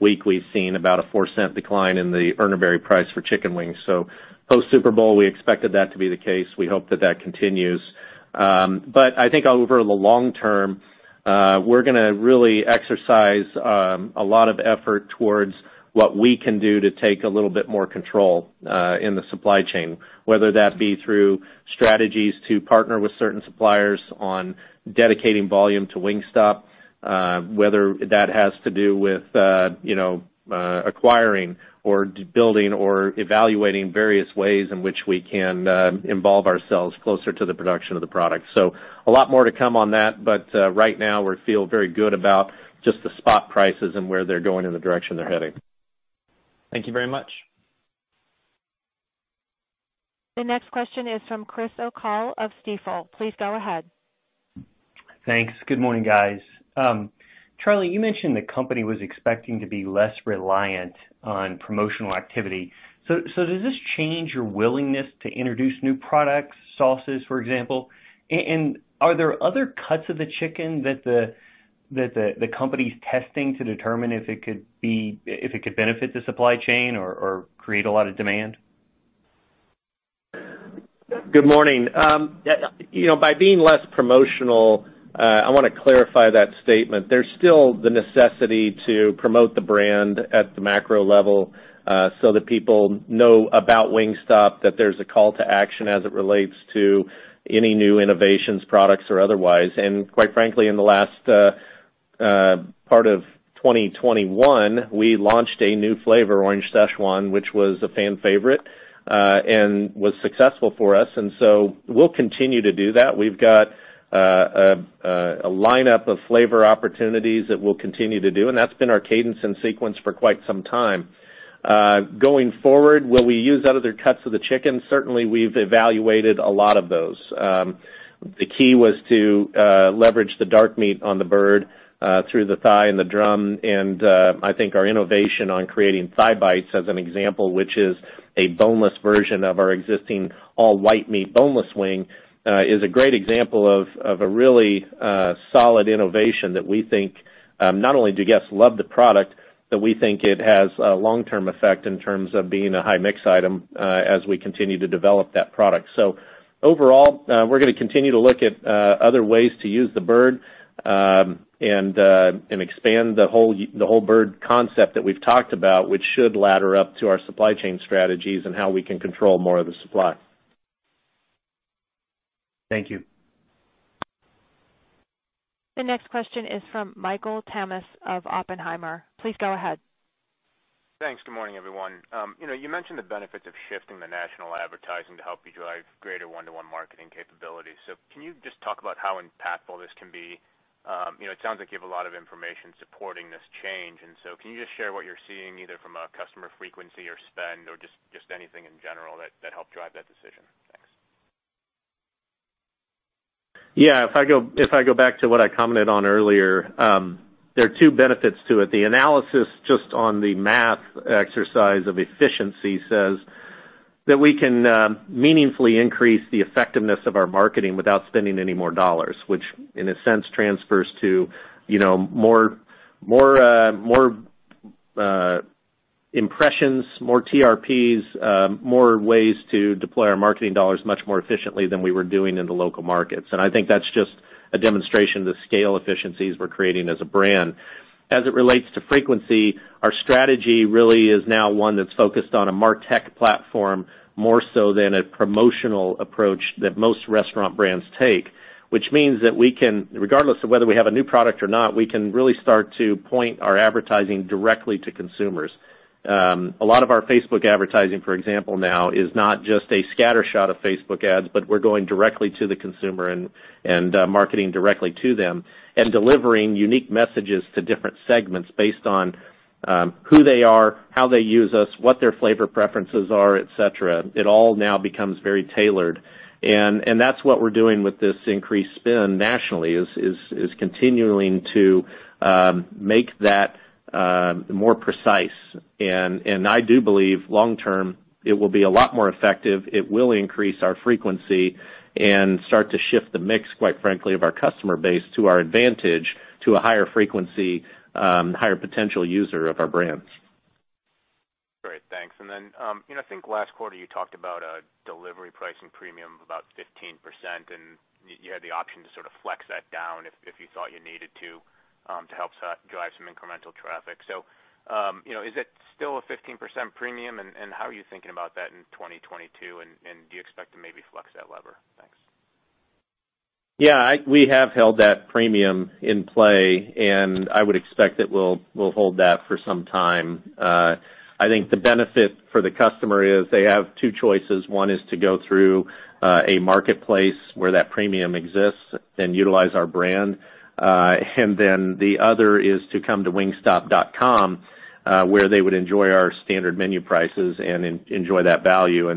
week, we've seen about a $0.04 decline in the Urner Barry price for chicken wings. Post-Super Bowl, we expected that to be the case. We hope that continues. I think over the long term, we're gonna really exercise a lot of effort towards what we can do to take a little bit more control in the supply chain, whether that be through strategies to partner with certain suppliers on dedicating volume to Wingstop, whether that has to do with, you know, acquiring or building or evaluating various ways in which we can involve ourselves closer to the production of the product. A lot more to come on that, but right now we feel very good about just the spot prices and where they're going and the direction they're heading. Thank you very much. The next question is from Chris O'Cull of Stifel. Please go ahead. Thanks. Good morning, guys. Charlie, you mentioned the company was expecting to be less reliant on promotional activity. Does this change your willingness to introduce new products, sauces, for example? Are there other cuts of the chicken that the company's testing to determine if it could benefit the supply chain or create a lot of demand? Good morning. Yeah, you know, by being less promotional, I wanna clarify that statement. There's still the necessity to promote the brand at the macro level, so that people know about Wingstop, that there's a call to action as it relates to any new innovations, products or otherwise. Quite frankly, in the last part of 2021, we launched a new flavor, Orange Szechuan, which was a fan favorite and was successful for us, and so we'll continue to do that. We've got a lineup of flavor opportunities that we'll continue to do, and that's been our cadence and sequence for quite some time. Going forward, will we use other cuts of the chicken? Certainly, we've evaluated a lot of those. The key was to leverage the dark meat on the bird through the thigh and the drum. I think our innovation on creating Thigh Bites as an example, which is a boneless version of our existing all white meat boneless wing, is a great example of a really solid innovation that we think not only do guests love the product, but we think it has a long-term effect in terms of being a high mix item as we continue to develop that product. Overall, we're gonna continue to look at other ways to use the bird and expand the whole bird concept that we've talked about, which should ladder up to our supply chain strategies and how we can control more of the supply. Thank you. The next question is from Michael Tamas of Oppenheimer. Please go ahead. Thanks. Good morning, everyone. You know, you mentioned the benefits of shifting the national advertising to help you drive greater one-to-one marketing capabilities. Can you just talk about how impactful this can be? You know, it sounds like you have a lot of information supporting this change, and so can you just share what you're seeing, either from a customer frequency or spend or just anything in general that helped drive that decision? Thanks. Yeah. If I go back to what I commented on earlier, there are two benefits to it. The analysis just on the math exercise of efficiency says that we can meaningfully increase the effectiveness of our marketing without spending any more dollars, which in a sense transfers to, you know, more impressions, more TRPs, more ways to deploy our marketing dollars much more efficiently than we were doing in the local markets. I think that's just a demonstration of the scale efficiencies we're creating as a brand. As it relates to frequency, our strategy really is now one that's focused on a martech platform more so than a promotional approach that most restaurant brands take, which means that we can, regardless of whether we have a new product or not, we can really start to point our advertising directly to consumers. A lot of our Facebook advertising, for example, now is not just a scattershot of Facebook ads, but we're going directly to the consumer and marketing directly to them and delivering unique messages to different segments based on who they are, how they use us, what their flavor preferences are, et cetera. It all now becomes very tailored. That's what we're doing with this increased spend nationally is continuing to make that more precise. I do believe long term, it will be a lot more effective. It will increase our frequency and start to shift the mix, quite frankly, of our customer base to our advantage to a higher frequency, higher potential user of our brands. Great. Thanks. You know, I think last quarter you talked about a delivery pricing premium of about 15%, and you had the option to sort of flex that down if you thought you needed to help drive some incremental traffic. You know, is it still a 15% premium? And how are you thinking about that in 2022, and do you expect to maybe flex that lever? Thanks. Yeah. We have held that premium in play, and I would expect that we'll hold that for some time. I think the benefit for the customer is they have two choices. One is to go through a marketplace where that premium exists and utilize our brand. And then the other is to come to wingstop.com, where they would enjoy our standard menu prices and enjoy that value.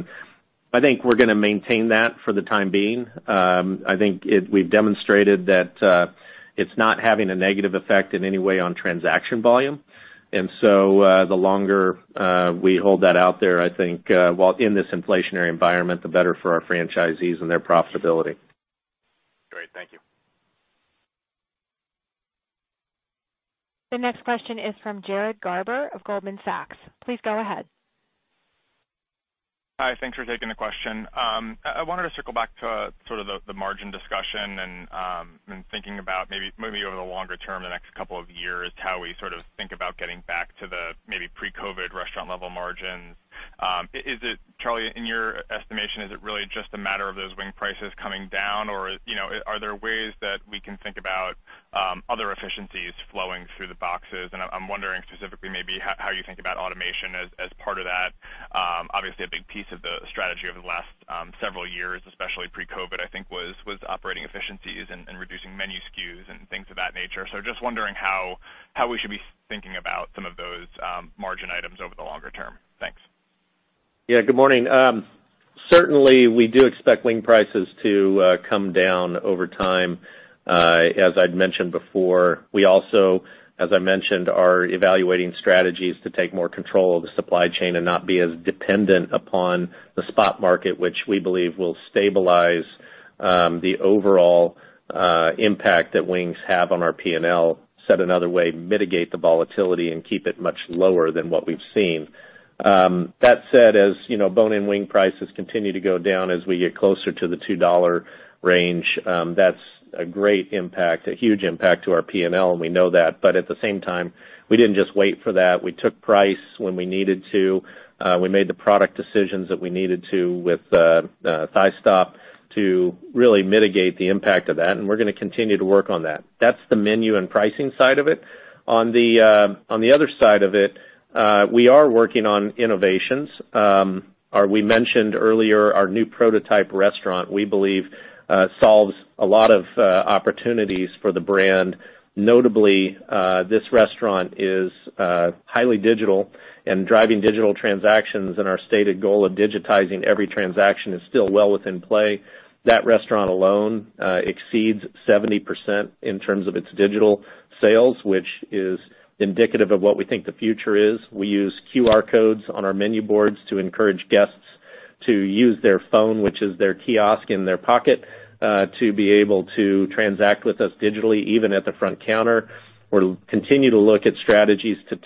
I think we're gonna maintain that for the time being. I think we've demonstrated that it's not having a negative effect in any way on transaction volume. The longer we hold that out there, I think, while in this inflationary environment, the better for our franchisees and their profitability. Great. Thank you. The next question is from Jared Garber of Goldman Sachs. Please go ahead. Hi. Thanks for taking the question. I wanted to circle back to sort of the margin discussion and thinking about maybe over the longer term, the next couple of years, how we sort of think about getting back to the maybe pre-COVID restaurant level margins. Is it, Charlie, in your estimation, is it really just a matter of those wing prices coming down? Or, you know, are there ways that we can think about other efficiencies flowing through the boxes? I'm wondering specifically maybe how you think about automation as part of that. Obviously a big piece of the strategy over the last several years, especially pre-COVID, I think was operating efficiencies and reducing menu SKUs and things of that nature. Just wondering how we should be thinking about some of those, margin items over the longer term. Thanks. Yeah. Good morning. Certainly, we do expect wing prices to come down over time. As I'd mentioned before, we also, as I mentioned, are evaluating strategies to take more control of the supply chain and not be as dependent upon the spot market, which we believe will stabilize the overall impact that wings have on our P&L. Said another way, mitigate the volatility and keep it much lower than what we've seen. That said, as you know, bone-in wing prices continue to go down as we get closer to the $2 range. That's a great impact, a huge impact to our P&L, and we know that. At the same time, we didn't just wait for that. We took price when we needed to. We made the product decisions that we needed to with Thighstop to really mitigate the impact of that, and we're gonna continue to work on that. That's the menu and pricing side of it. On the other side of it, we are working on innovations. We mentioned earlier our new prototype restaurant, we believe, solves a lot of opportunities for the brand. Notably, this restaurant is highly digital and driving digital transactions, and our stated goal of digitizing every transaction is still well within play. That restaurant alone exceeds 70% in terms of its digital sales, which is indicative of what we think the future is. We use QR codes on our menu boards to encourage guests to use their phone, which is their kiosk in their pocket, to be able to transact with us digitally, even at the front counter. We'll continue to look at strategies to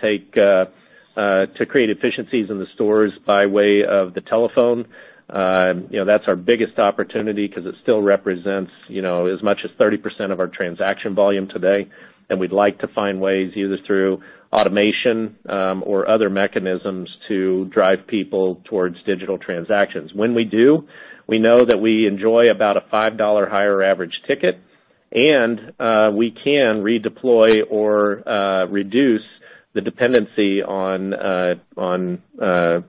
create efficiencies in the stores by way of the telephone. You know, that's our biggest opportunity because it still represents, you know, as much as 30% of our transaction volume today, and we'd like to find ways, either through automation, or other mechanisms, to drive people towards digital transactions. When we do, we know that we enjoy about a $5 higher average ticket and we can redeploy or reduce the dependency on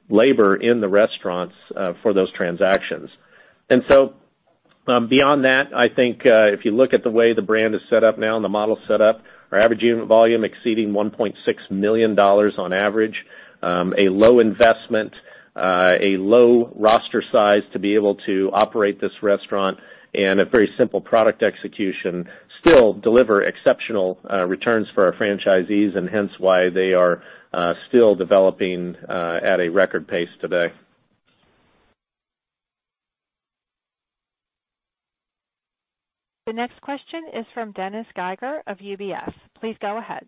labor in the restaurants for those transactions. Beyond that, I think if you look at the way the brand is set up now and the model set up, our average unit volume exceeding $1.6 million on average, a low investment, a low roster size to be able to operate this restaurant and a very simple product execution still deliver exceptional returns for our franchisees and hence why they are still developing at a record pace today. The next question is from Dennis Geiger of UBS. Please go ahead.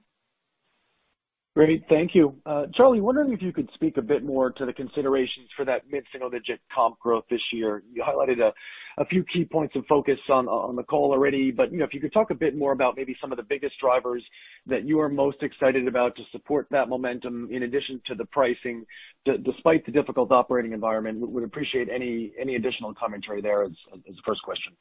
Great. Thank you. Charlie, wondering if you could speak a bit more to the considerations for that mid-single-digit comp growth this year. You highlighted a few key points of focus on the call already, but you know, if you could talk a bit more about maybe some of the biggest drivers that you are most excited about to support that momentum, in addition to the pricing, despite the difficult operating environment, would appreciate any additional commentary there as the first question.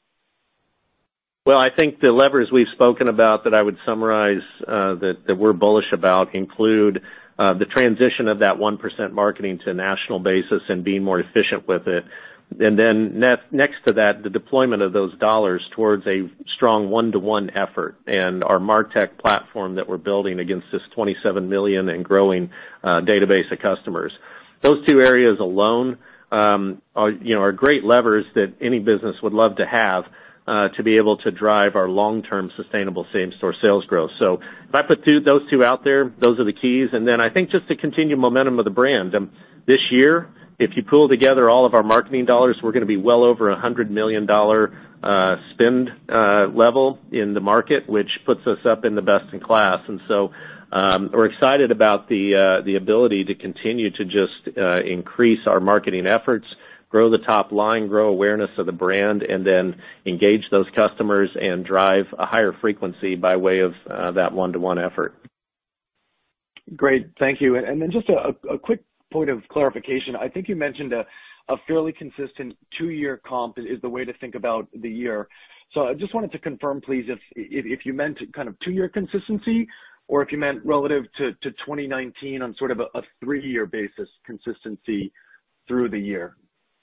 Well, I think the levers we've spoken about that I would summarize that we're bullish about include the transition of that 1% marketing to national basis and being more efficient with it. Next to that, the deployment of those dollars towards a strong one-to-one effort and our martech platform that we're building against this 27 million and growing database of customers. Those two areas alone are, you know, great levers that any business would love to have to be able to drive our long-term sustainable same-store sales growth. If I put those two out there, those are the keys. I think just the continued momentum of the brand. This year, if you pull together all of our marketing dollars, we're gonna be well over $100 million spend level in the market, which puts us up in the best in class. We're excited about the ability to continue to just increase our marketing efforts, grow the top line, grow awareness of the brand, and then engage those customers and drive a higher frequency by way of that one-to-one effort. Great. Thank you. Just a quick point of clarification. I think you mentioned a fairly consistent two-year comp is the way to think about the year. I just wanted to confirm, please, if you meant kind of two-year consistency or if you meant relative to 2019 on sort of a three-year basis consistency through the year.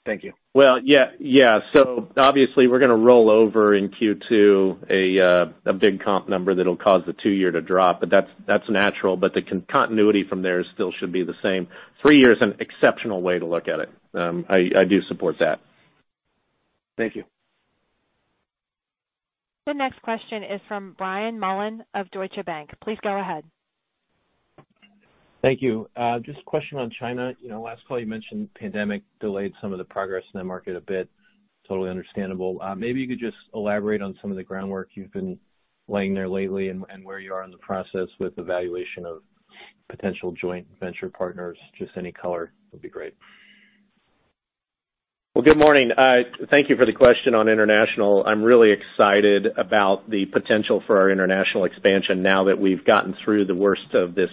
Thank you. Well, yeah. Obviously, we're gonna roll over in Q2 a big comp number that'll cause the two-year to drop, but that's natural. The continuity from there still should be the same. Three years is an exceptional way to look at it. I do support that. Thank you. The next question is from Brian Mullan of Deutsche Bank. Please go ahead. Thank you. Just a question on China. You know, last call you mentioned pandemic delayed some of the progress in the market a bit. Totally understandable. Maybe you could just elaborate on some of the groundwork you've been laying there lately and where you are in the process with evaluation of potential joint venture partners. Just any color would be great. Good morning. Thank you for the question on international. I'm really excited about the potential for our international expansion now that we've gotten through the worst of this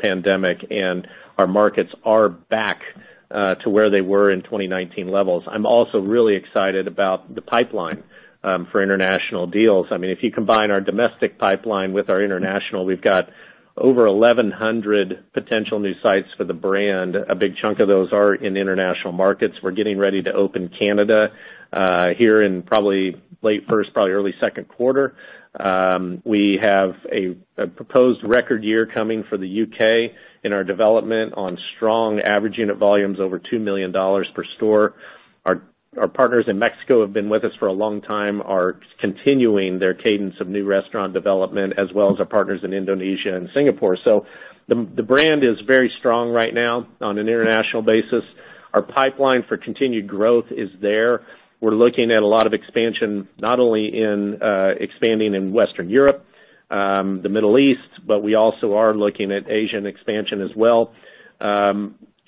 pandemic and our markets are back to where they were in 2019 levels. I'm also really excited about the pipeline for international deals. I mean, if you combine our domestic pipeline with our international, we've got over 1100 potential new sites for the brand. A big chunk of those are in international markets. We're getting ready to open Canada here in probably late first, probably early second quarter. We have a proposed record year coming for the U.K. in our development on strong average unit volumes over $2 million per store. Our partners in Mexico have been with us for a long time, are continuing their cadence of new restaurant development, as well as our partners in Indonesia and Singapore. The brand is very strong right now on an international basis. Our pipeline for continued growth is there. We're looking at a lot of expansion, not only in expanding in Western Europe, the Middle East, but we also are looking at Asian expansion as well.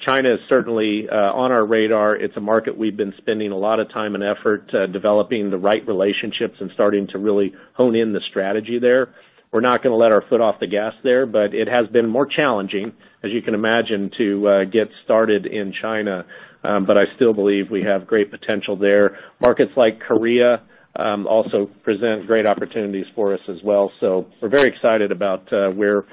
China is certainly on our radar. It's a market we've been spending a lot of time and effort developing the right relationships and starting to really hone in the strategy there. We're not gonna let our foot off the gas there, but it has been more challenging, as you can imagine, to get started in China. I still believe we have great potential there. Markets like Korea also present great opportunities for us as well. We're very excited about where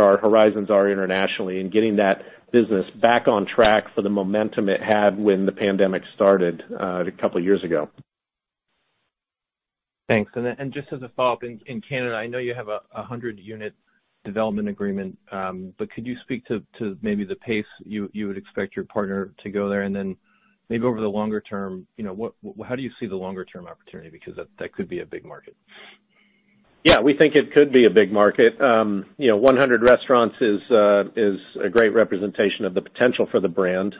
our horizons are internationally and getting that business back on track for the momentum it had when the pandemic started a couple years ago. Thanks. Then, just as a follow-up, in Canada, I know you have a 100-unit development agreement, but could you speak to maybe the pace you would expect your partner to go there? Maybe over the longer term, you know, how do you see the longer term opportunity? Because that could be a big market. Yeah, we think it could be a big market. You know, 100 restaurants is a great representation of the potential for the brand.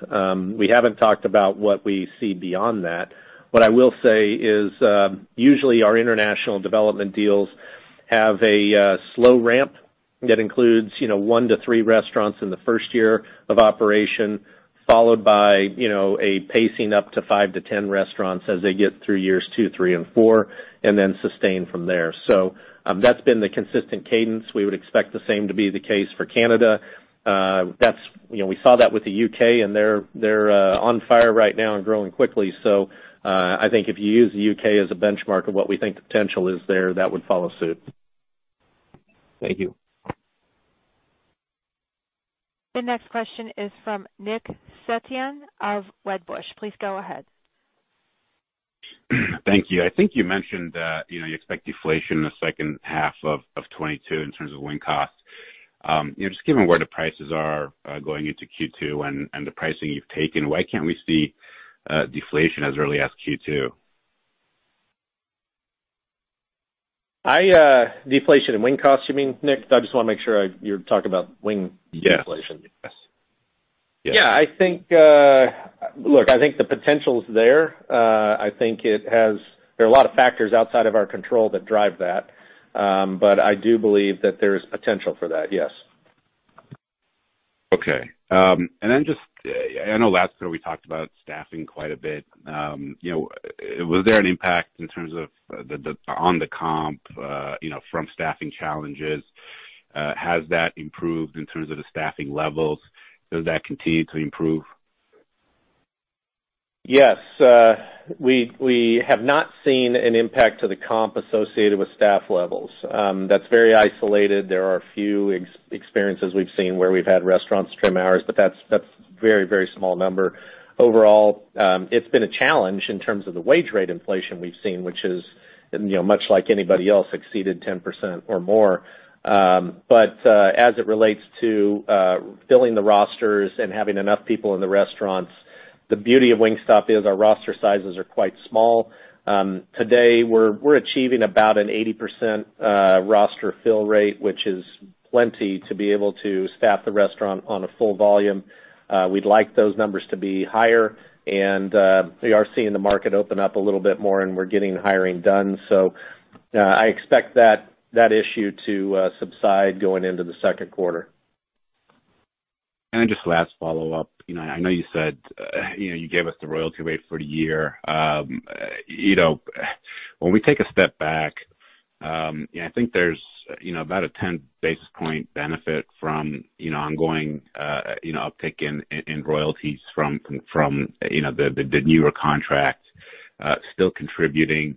We haven't talked about what we see beyond that. What I will say is, usually our international development deals have a slow ramp that includes, you know, one-three restaurants in the first year of operation, followed by, you know, a pacing up to five-10 restaurants as they get through years two, three and four, and then sustain from there. That's been the consistent cadence. We would expect the same to be the case for Canada. That's, you know, we saw that with the U.K., and they're on fire right now and growing quickly. I think if you use the U.K. as a benchmark of what we think the potential is there, that would follow suit. Thank you. The next question is from Nick Setyan of Wedbush. Please go ahead. Thank you. I think you mentioned that, you know, you expect deflation in the second half of 2022 in terms of wing costs. You know, just given where the prices are going into Q2 and the pricing you've taken, why can't we see deflation as early as Q2? Deflation in wing costs, you mean, Nick? Because I just wanna make sure you're talking about wing- Yes. -deflation. Yes. Yes. Yeah. I think, look, I think the potential is there. There are a lot of factors outside of our control that drive that. I do believe that there's potential for that, yes. Just, I know last year we talked about staffing quite a bit. You know, was there an impact in terms of the on the comp, you know, from staffing challenges? Has that improved in terms of the staffing levels? Does that continue to improve? Yes. We have not seen an impact to the comp associated with staff levels. That's very isolated. There are a few experiences we've seen where we've had restaurants trim hours, but that's a very small number. Overall, it's been a challenge in terms of the wage rate inflation we've seen, which is, you know, much like anybody else, exceeded 10% or more. As it relates to filling the rosters and having enough people in the restaurants, the beauty of Wingstop is our roster sizes are quite small. Today we're achieving about an 80% roster fill rate, which is plenty to be able to staff the restaurant on a full volume. We'd like those numbers to be higher. We are seeing the market open up a little bit more, and we're getting hiring done. I expect that issue to subside going into the second quarter. Just last follow-up. You know, I know you said, you know, you gave us the royalty rate for the year. You know, when we take a step back, you know, I think there's, you know, about a 10 basis points benefit from, you know, ongoing, you know, uptick in royalties from the newer contracts still contributing.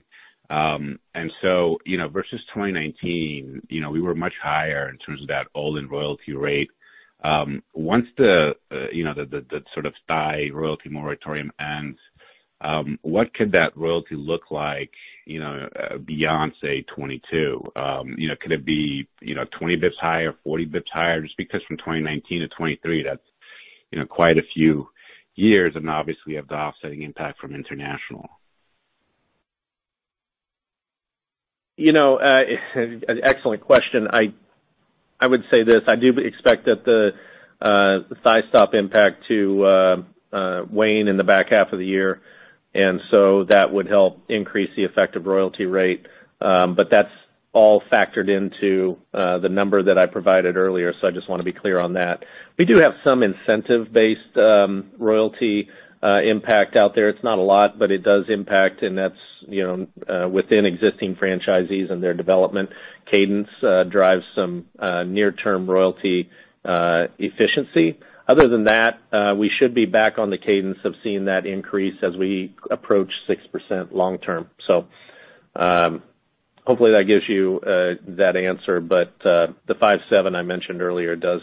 You know, versus 2019, you know, we were much higher in terms of that all-in royalty rate. Once the, you know, the sort of thigh royalty moratorium ends, what could that royalty look like, you know, beyond, say, 2022? You know, could it be, you know, 20 basis points higher, 40 basis points higher? Just because from 2019 - 2023, that's, you know, quite a few years. And obviously you have the offsetting impact from international. You know, an excellent question. I would say this, I do expect that the Thighstop impact to wane in the back half of the year, and so that would help increase the effective royalty rate. That's all factored into the number that I provided earlier. I just wanna be clear on that. We do have some incentive-based royalty impact out there. It's not a lot, but it does impact. That's, you know, within existing franchisees and their development cadence drives some near term royalty efficiency. Other than that, we should be back on the cadence of seeing that increase as we approach 6% long term. Hopefully that gives you that answer. The five-seven I mentioned earlier does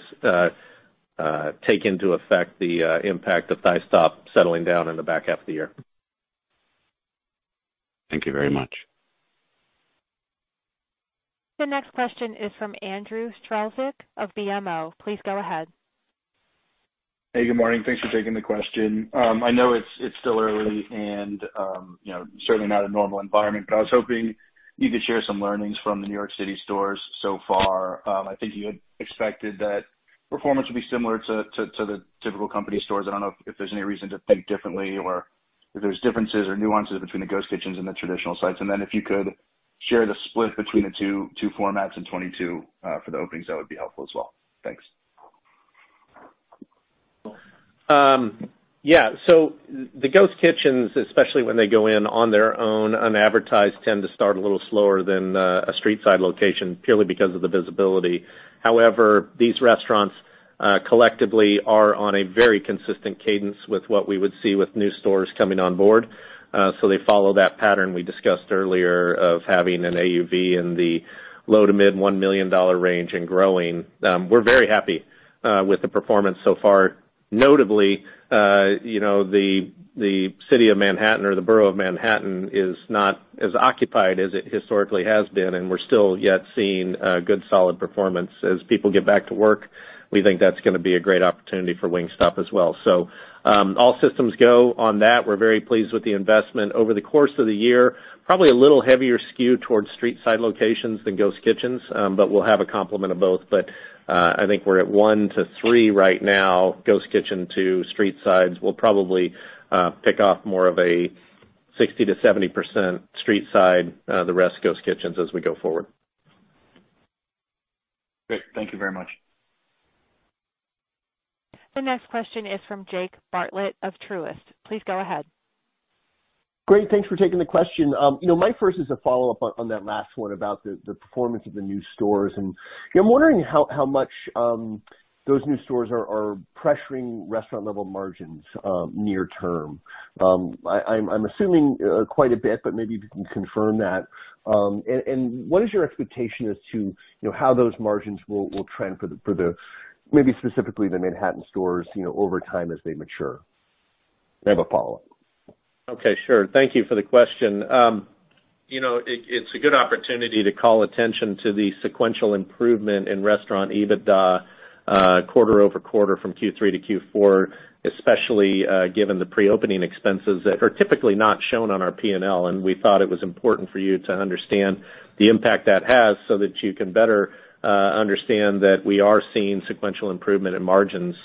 take into account the impact of Thighstop settling down in the back half of the year. Thank you very much. The next question is from Andrew Strelzik of BMO. Please go ahead. Hey, good morning. Thanks for taking the question. I know it's still early and, you know, certainly not a normal environment, but I was hoping you could share some learnings from the New York City stores so far. I think you had expected that performance would be similar to the typical company stores. I don't know if there's any reason to think differently or if there's differences or nuances between the ghost kitchens and the traditional sites. Then if you could share the split between the two formats in 2022 for the openings, that would be helpful as well. Thanks. Yeah. The ghost kitchens, especially when they go in on their own unadvertised, tend to start a little slower than a street-side location purely because of the visibility. However, these restaurants collectively are on a very consistent cadence with what we would see with new stores coming on board. They follow that pattern we discussed earlier of having an AUV in the low- to mid-$1 million range and growing. We're very happy with the performance so far. Notably, you know, the city of Manhattan or the borough of Manhattan is not as occupied as it historically has been, and we're still seeing good solid performance. As people get back to work, we think that's gonna be a great opportunity for Wingstop as well. All systems go on that. We're very pleased with the investment over the course of the year, probably a little heavier skewed towards street side locations than ghost kitchens, but we'll have a complement of both. I think we're at one-three right now, ghost kitchen to street sides. We'll probably pick off more of a 60%-70% street side, the rest ghost kitchens as we go forward. Great. Thank you very much. The next question is from Jake Bartlett of Truist. Please go ahead. Great. Thanks for taking the question. You know, my first is a follow-up on that last one about the performance of the new stores. You know, I'm wondering how much those new stores are pressuring restaurant level margins near term. I'm assuming quite a bit, but maybe you can confirm that. And what is your expectation as to you know how those margins will trend for the maybe specifically the Manhattan stores you know over time as they mature? I have a follow-up. Okay, sure. Thank you for the question. You know, it's a good opportunity to call attention to the sequential improvement in restaurant EBITDA, quarter-over-quarter from Q3 - Q4, especially, given the pre-opening expenses that are typically not shown on our P&L. We thought it was important for you to understand the impact that has so that you can better understand that we are seeing sequential improvement in margins,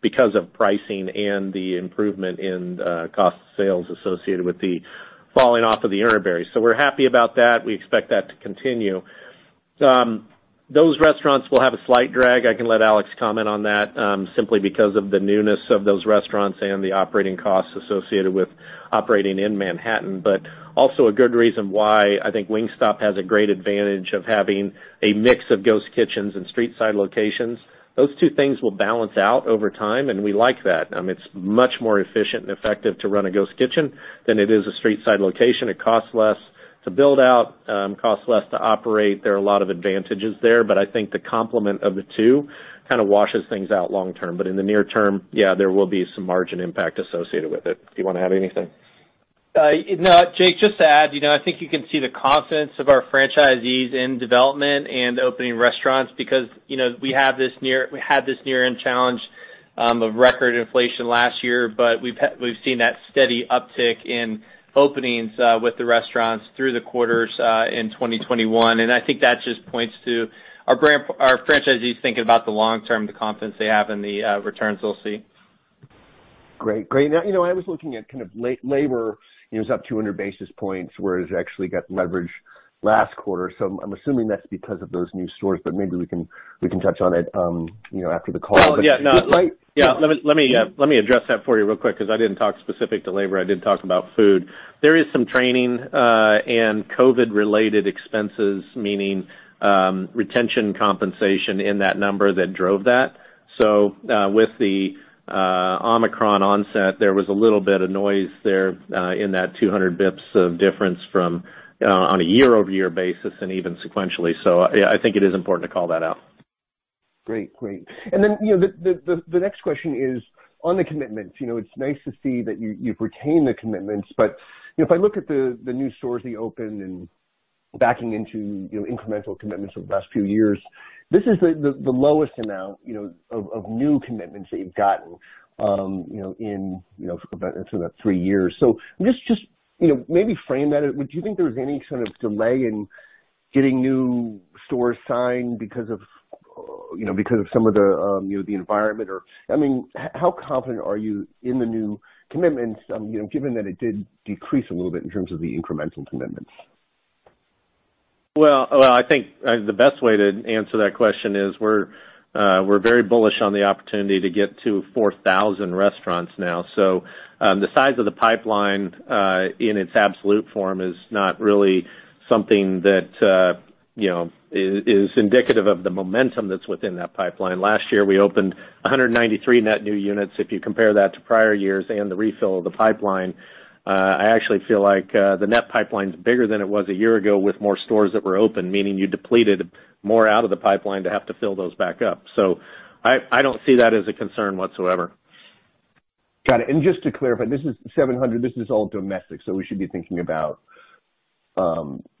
because of pricing and the improvement in cost of sales associated with the falling off of the irritants. We're happy about that. We expect that to continue. Those restaurants will have a slight drag, I can let Alex comment on that, simply because of the newness of those restaurants and the operating costs associated with operating in Manhattan. also a good reason why I think Wingstop has a great advantage of having a mix of ghost kitchens and street side locations. Those two things will balance out over time, and we like that. It's much more efficient and effective to run a ghost kitchen than it is a street side location. It costs less to build out, costs less to operate. There are a lot of advantages there, but I think the complement of the two kind of washes things out long term. In the near term, yeah, there will be some margin impact associated with it. Do you wanna add anything? No. Jake, just to add, you know, I think you can see the confidence of our franchisees in development and opening restaurants because, you know, we had this year-end challenge of record inflation last year, but we've seen that steady uptick in openings with the restaurants through the quarters in 2021. I think that just points to our franchisees thinking about the long term, the confidence they have in the returns they'll see. Great. Now, you know, I was looking at kind of labor, it was up 200 basis points, whereas it actually got leverage last quarter. I'm assuming that's because of those new stores, but maybe we can touch on it, you know, after the call. Well, yeah, no. It might- Yeah. Let me address that for you real quick because I didn't talk specific to labor. I did talk about food. There is some training and COVID-related expenses, meaning retention compensation in that number that drove that. With the Omicron onset, there was a little bit of noise there in that 200 basis points of difference from on a year-over-year basis and even sequentially. I think it is important to call that out. Great. Great. You know, the next question is on the commitments. You know, it's nice to see that you've retained the commitments, but, you know, if I look at the new stores that you opened and backing into, you know, incremental commitments over the last few years, this is the lowest amount, you know, of new commitments that you've gotten, you know, in, you know, for about, it's about three years. Can you just, you know, maybe frame that. Do you think there's any sort of delay in getting new stores signed because of, you know, because of some of the, you know, the environment or? I mean, how confident are you in the new commitments, you know, given that it did decrease a little bit in terms of the incremental commitments? Well, I think the best way to answer that question is we're very bullish on the opportunity to get to 4,000 restaurants now. The size of the pipeline in its absolute form is not really something that you know is indicative of the momentum that's within that pipeline. Last year, we opened 193 net new units. If you compare that to prior years and the refill of the pipeline, I actually feel like the net pipeline is bigger than it was a year ago with more stores that were open, meaning you depleted more out of the pipeline to have to fill those back up. I don't see that as a concern whatsoever. Got it. Just to clarify, this is 700, this is all domestic, so we should be thinking about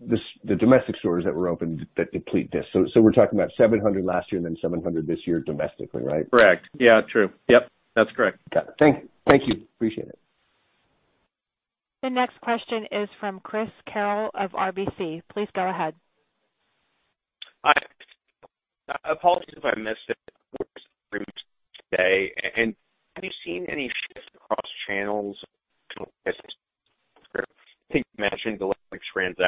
this, the domestic stores that were opened that deplete this. We're talking about 700 last year and then 700 this year domestically, right? Correct. Yeah, true. Yep, that's correct. Got it. Thank you. Appreciate it. The next question is from Chris Carril of RBC. Please go ahead. Hi. Apologies if I missed it today, and have you seen any shift across channels transaction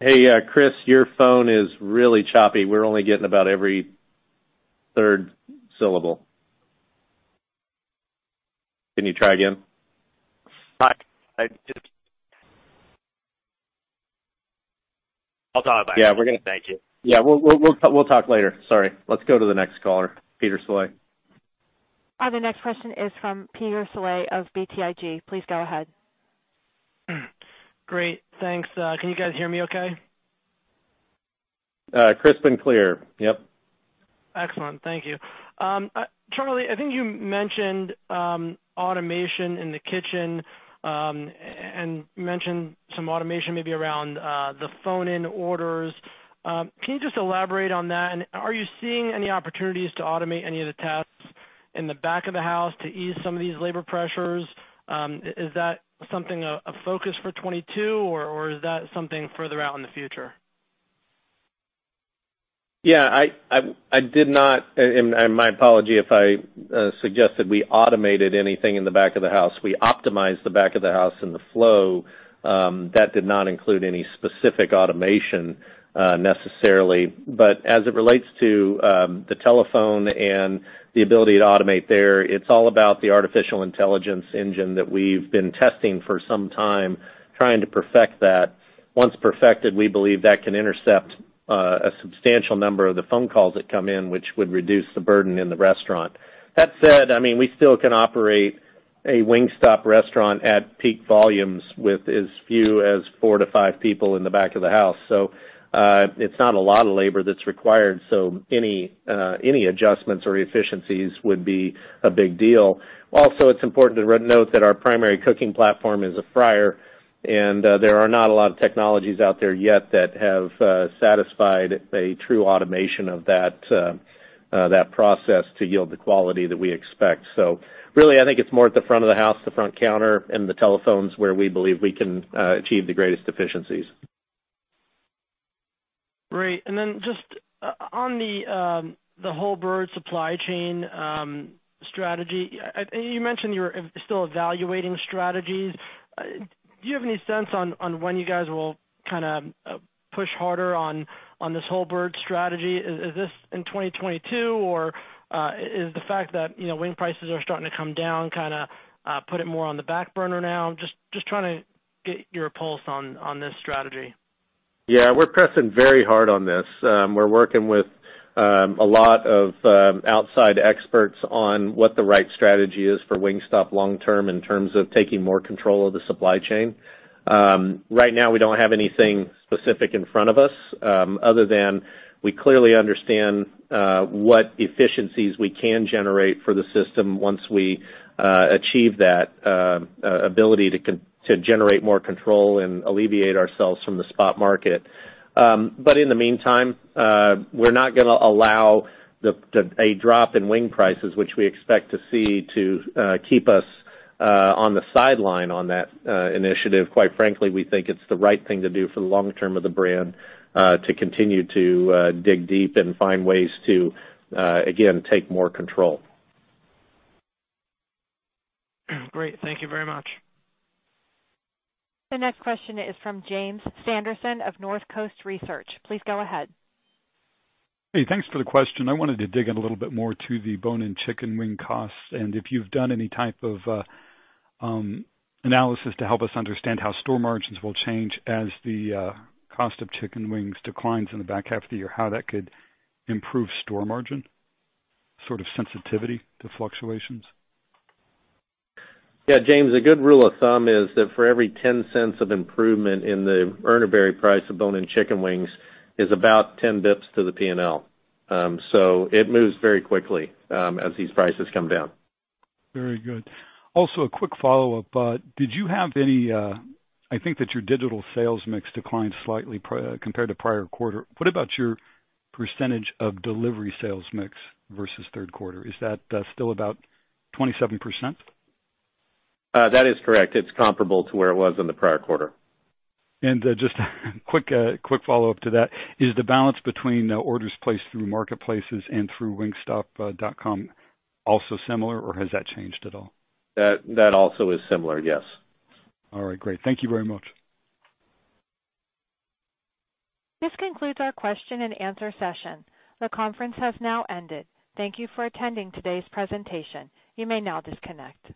Hey, Chris, your phone is really choppy. We're only getting about every third syllable. Can you try again? Hi. I'll call back. Yeah, we're gonna. Thank you. Yeah, we'll talk later. Sorry. Let's go to the next caller, Peter Saleh. The next question is from Peter Saleh of BTIG. Please go ahead. Great, thanks. Can you guys hear me okay? Crisp and clear. Yep. Excellent. Thank you. Charlie, I think you mentioned automation in the kitchen and mentioned some automation maybe around the phone-in orders. Can you just elaborate on that? Are you seeing any opportunities to automate any of the tasks in the back of the house to ease some of these labor pressures? Is that something, a focus for 2022, or is that something further out in the future? Yeah, I did not, and my apology if I suggested we automated anything in the back of the house. We optimized the back of the house and the flow, that did not include any specific automation, necessarily. As it relates to the telephone and the ability to automate there, it's all about the artificial intelligence engine that we've been testing for some time trying to perfect that. Once perfected, we believe that can intercept a substantial number of the phone calls that come in, which would reduce the burden in the restaurant. That said, I mean, we still can operate a Wingstop restaurant at peak volumes with as few as four-five people in the back of the house. It's not a lot of labor that's required, so any adjustments or efficiencies would be a big deal. Also, it's important to note that our primary cooking platform is a fryer, and there are not a lot of technologies out there yet that have satisfied a true automation of that process to yield the quality that we expect. Really, I think it's more at the front of the house, the front counter, and the telephones where we believe we can achieve the greatest efficiencies. Great. Then just on the whole bird supply chain strategy, you mentioned you were still evaluating strategies. Do you have any sense on when you guys will kinda push harder on this whole bird strategy? Is this in 2022, or is the fact that, you know, wing prices are starting to come down, kinda put it more on the back burner now? Just trying to get your pulse on this strategy. Yeah, we're pressing very hard on this. We're working with a lot of outside experts on what the right strategy is for Wingstop long term in terms of taking more control of the supply chain. Right now, we don't have anything specific in front of us, other than we clearly understand what efficiencies we can generate for the system once we achieve that ability to generate more control and alleviate ourselves from the spot market. In the meantime, we're not gonna allow a drop in wing prices, which we expect to see to keep us on the sideline on that initiative. Quite frankly, we think it's the right thing to do for the long term of the brand, to continue to dig deep and find ways to again take more control. Great. Thank you very much. The next question is from James Sanderson of Northcoast Research. Please go ahead. Hey, thanks for the question. I wanted to dig in a little bit more to the bone-in chicken wing costs and if you've done any type of analysis to help us understand how store margins will change as the cost of chicken wings declines in the back half of the year, how that could improve store margin, sort of sensitivity to fluctuations. Yeah, James, a good rule of thumb is that for every $0.10 of improvement in the Urner Barry price of bone-in chicken wings is about 10 basis points to the P&L. It moves very quickly, as these prices come down. Very good. Also, a quick follow-up. I think that your digital sales mix declined slightly compared to prior quarter. What about your percentage of delivery sales mix versus third quarter? Is that still about 27%? That is correct. It's comparable to where it was in the prior quarter. Just quick follow-up to that. Is the balance between the orders placed through marketplaces and through wingstop.com also similar, or has that changed at all? That also is similar, yes. All right, great. Thank you very much. This concludes our question and answer session. The conference has now ended. Thank you for attending today's presentation. You may now disconnect.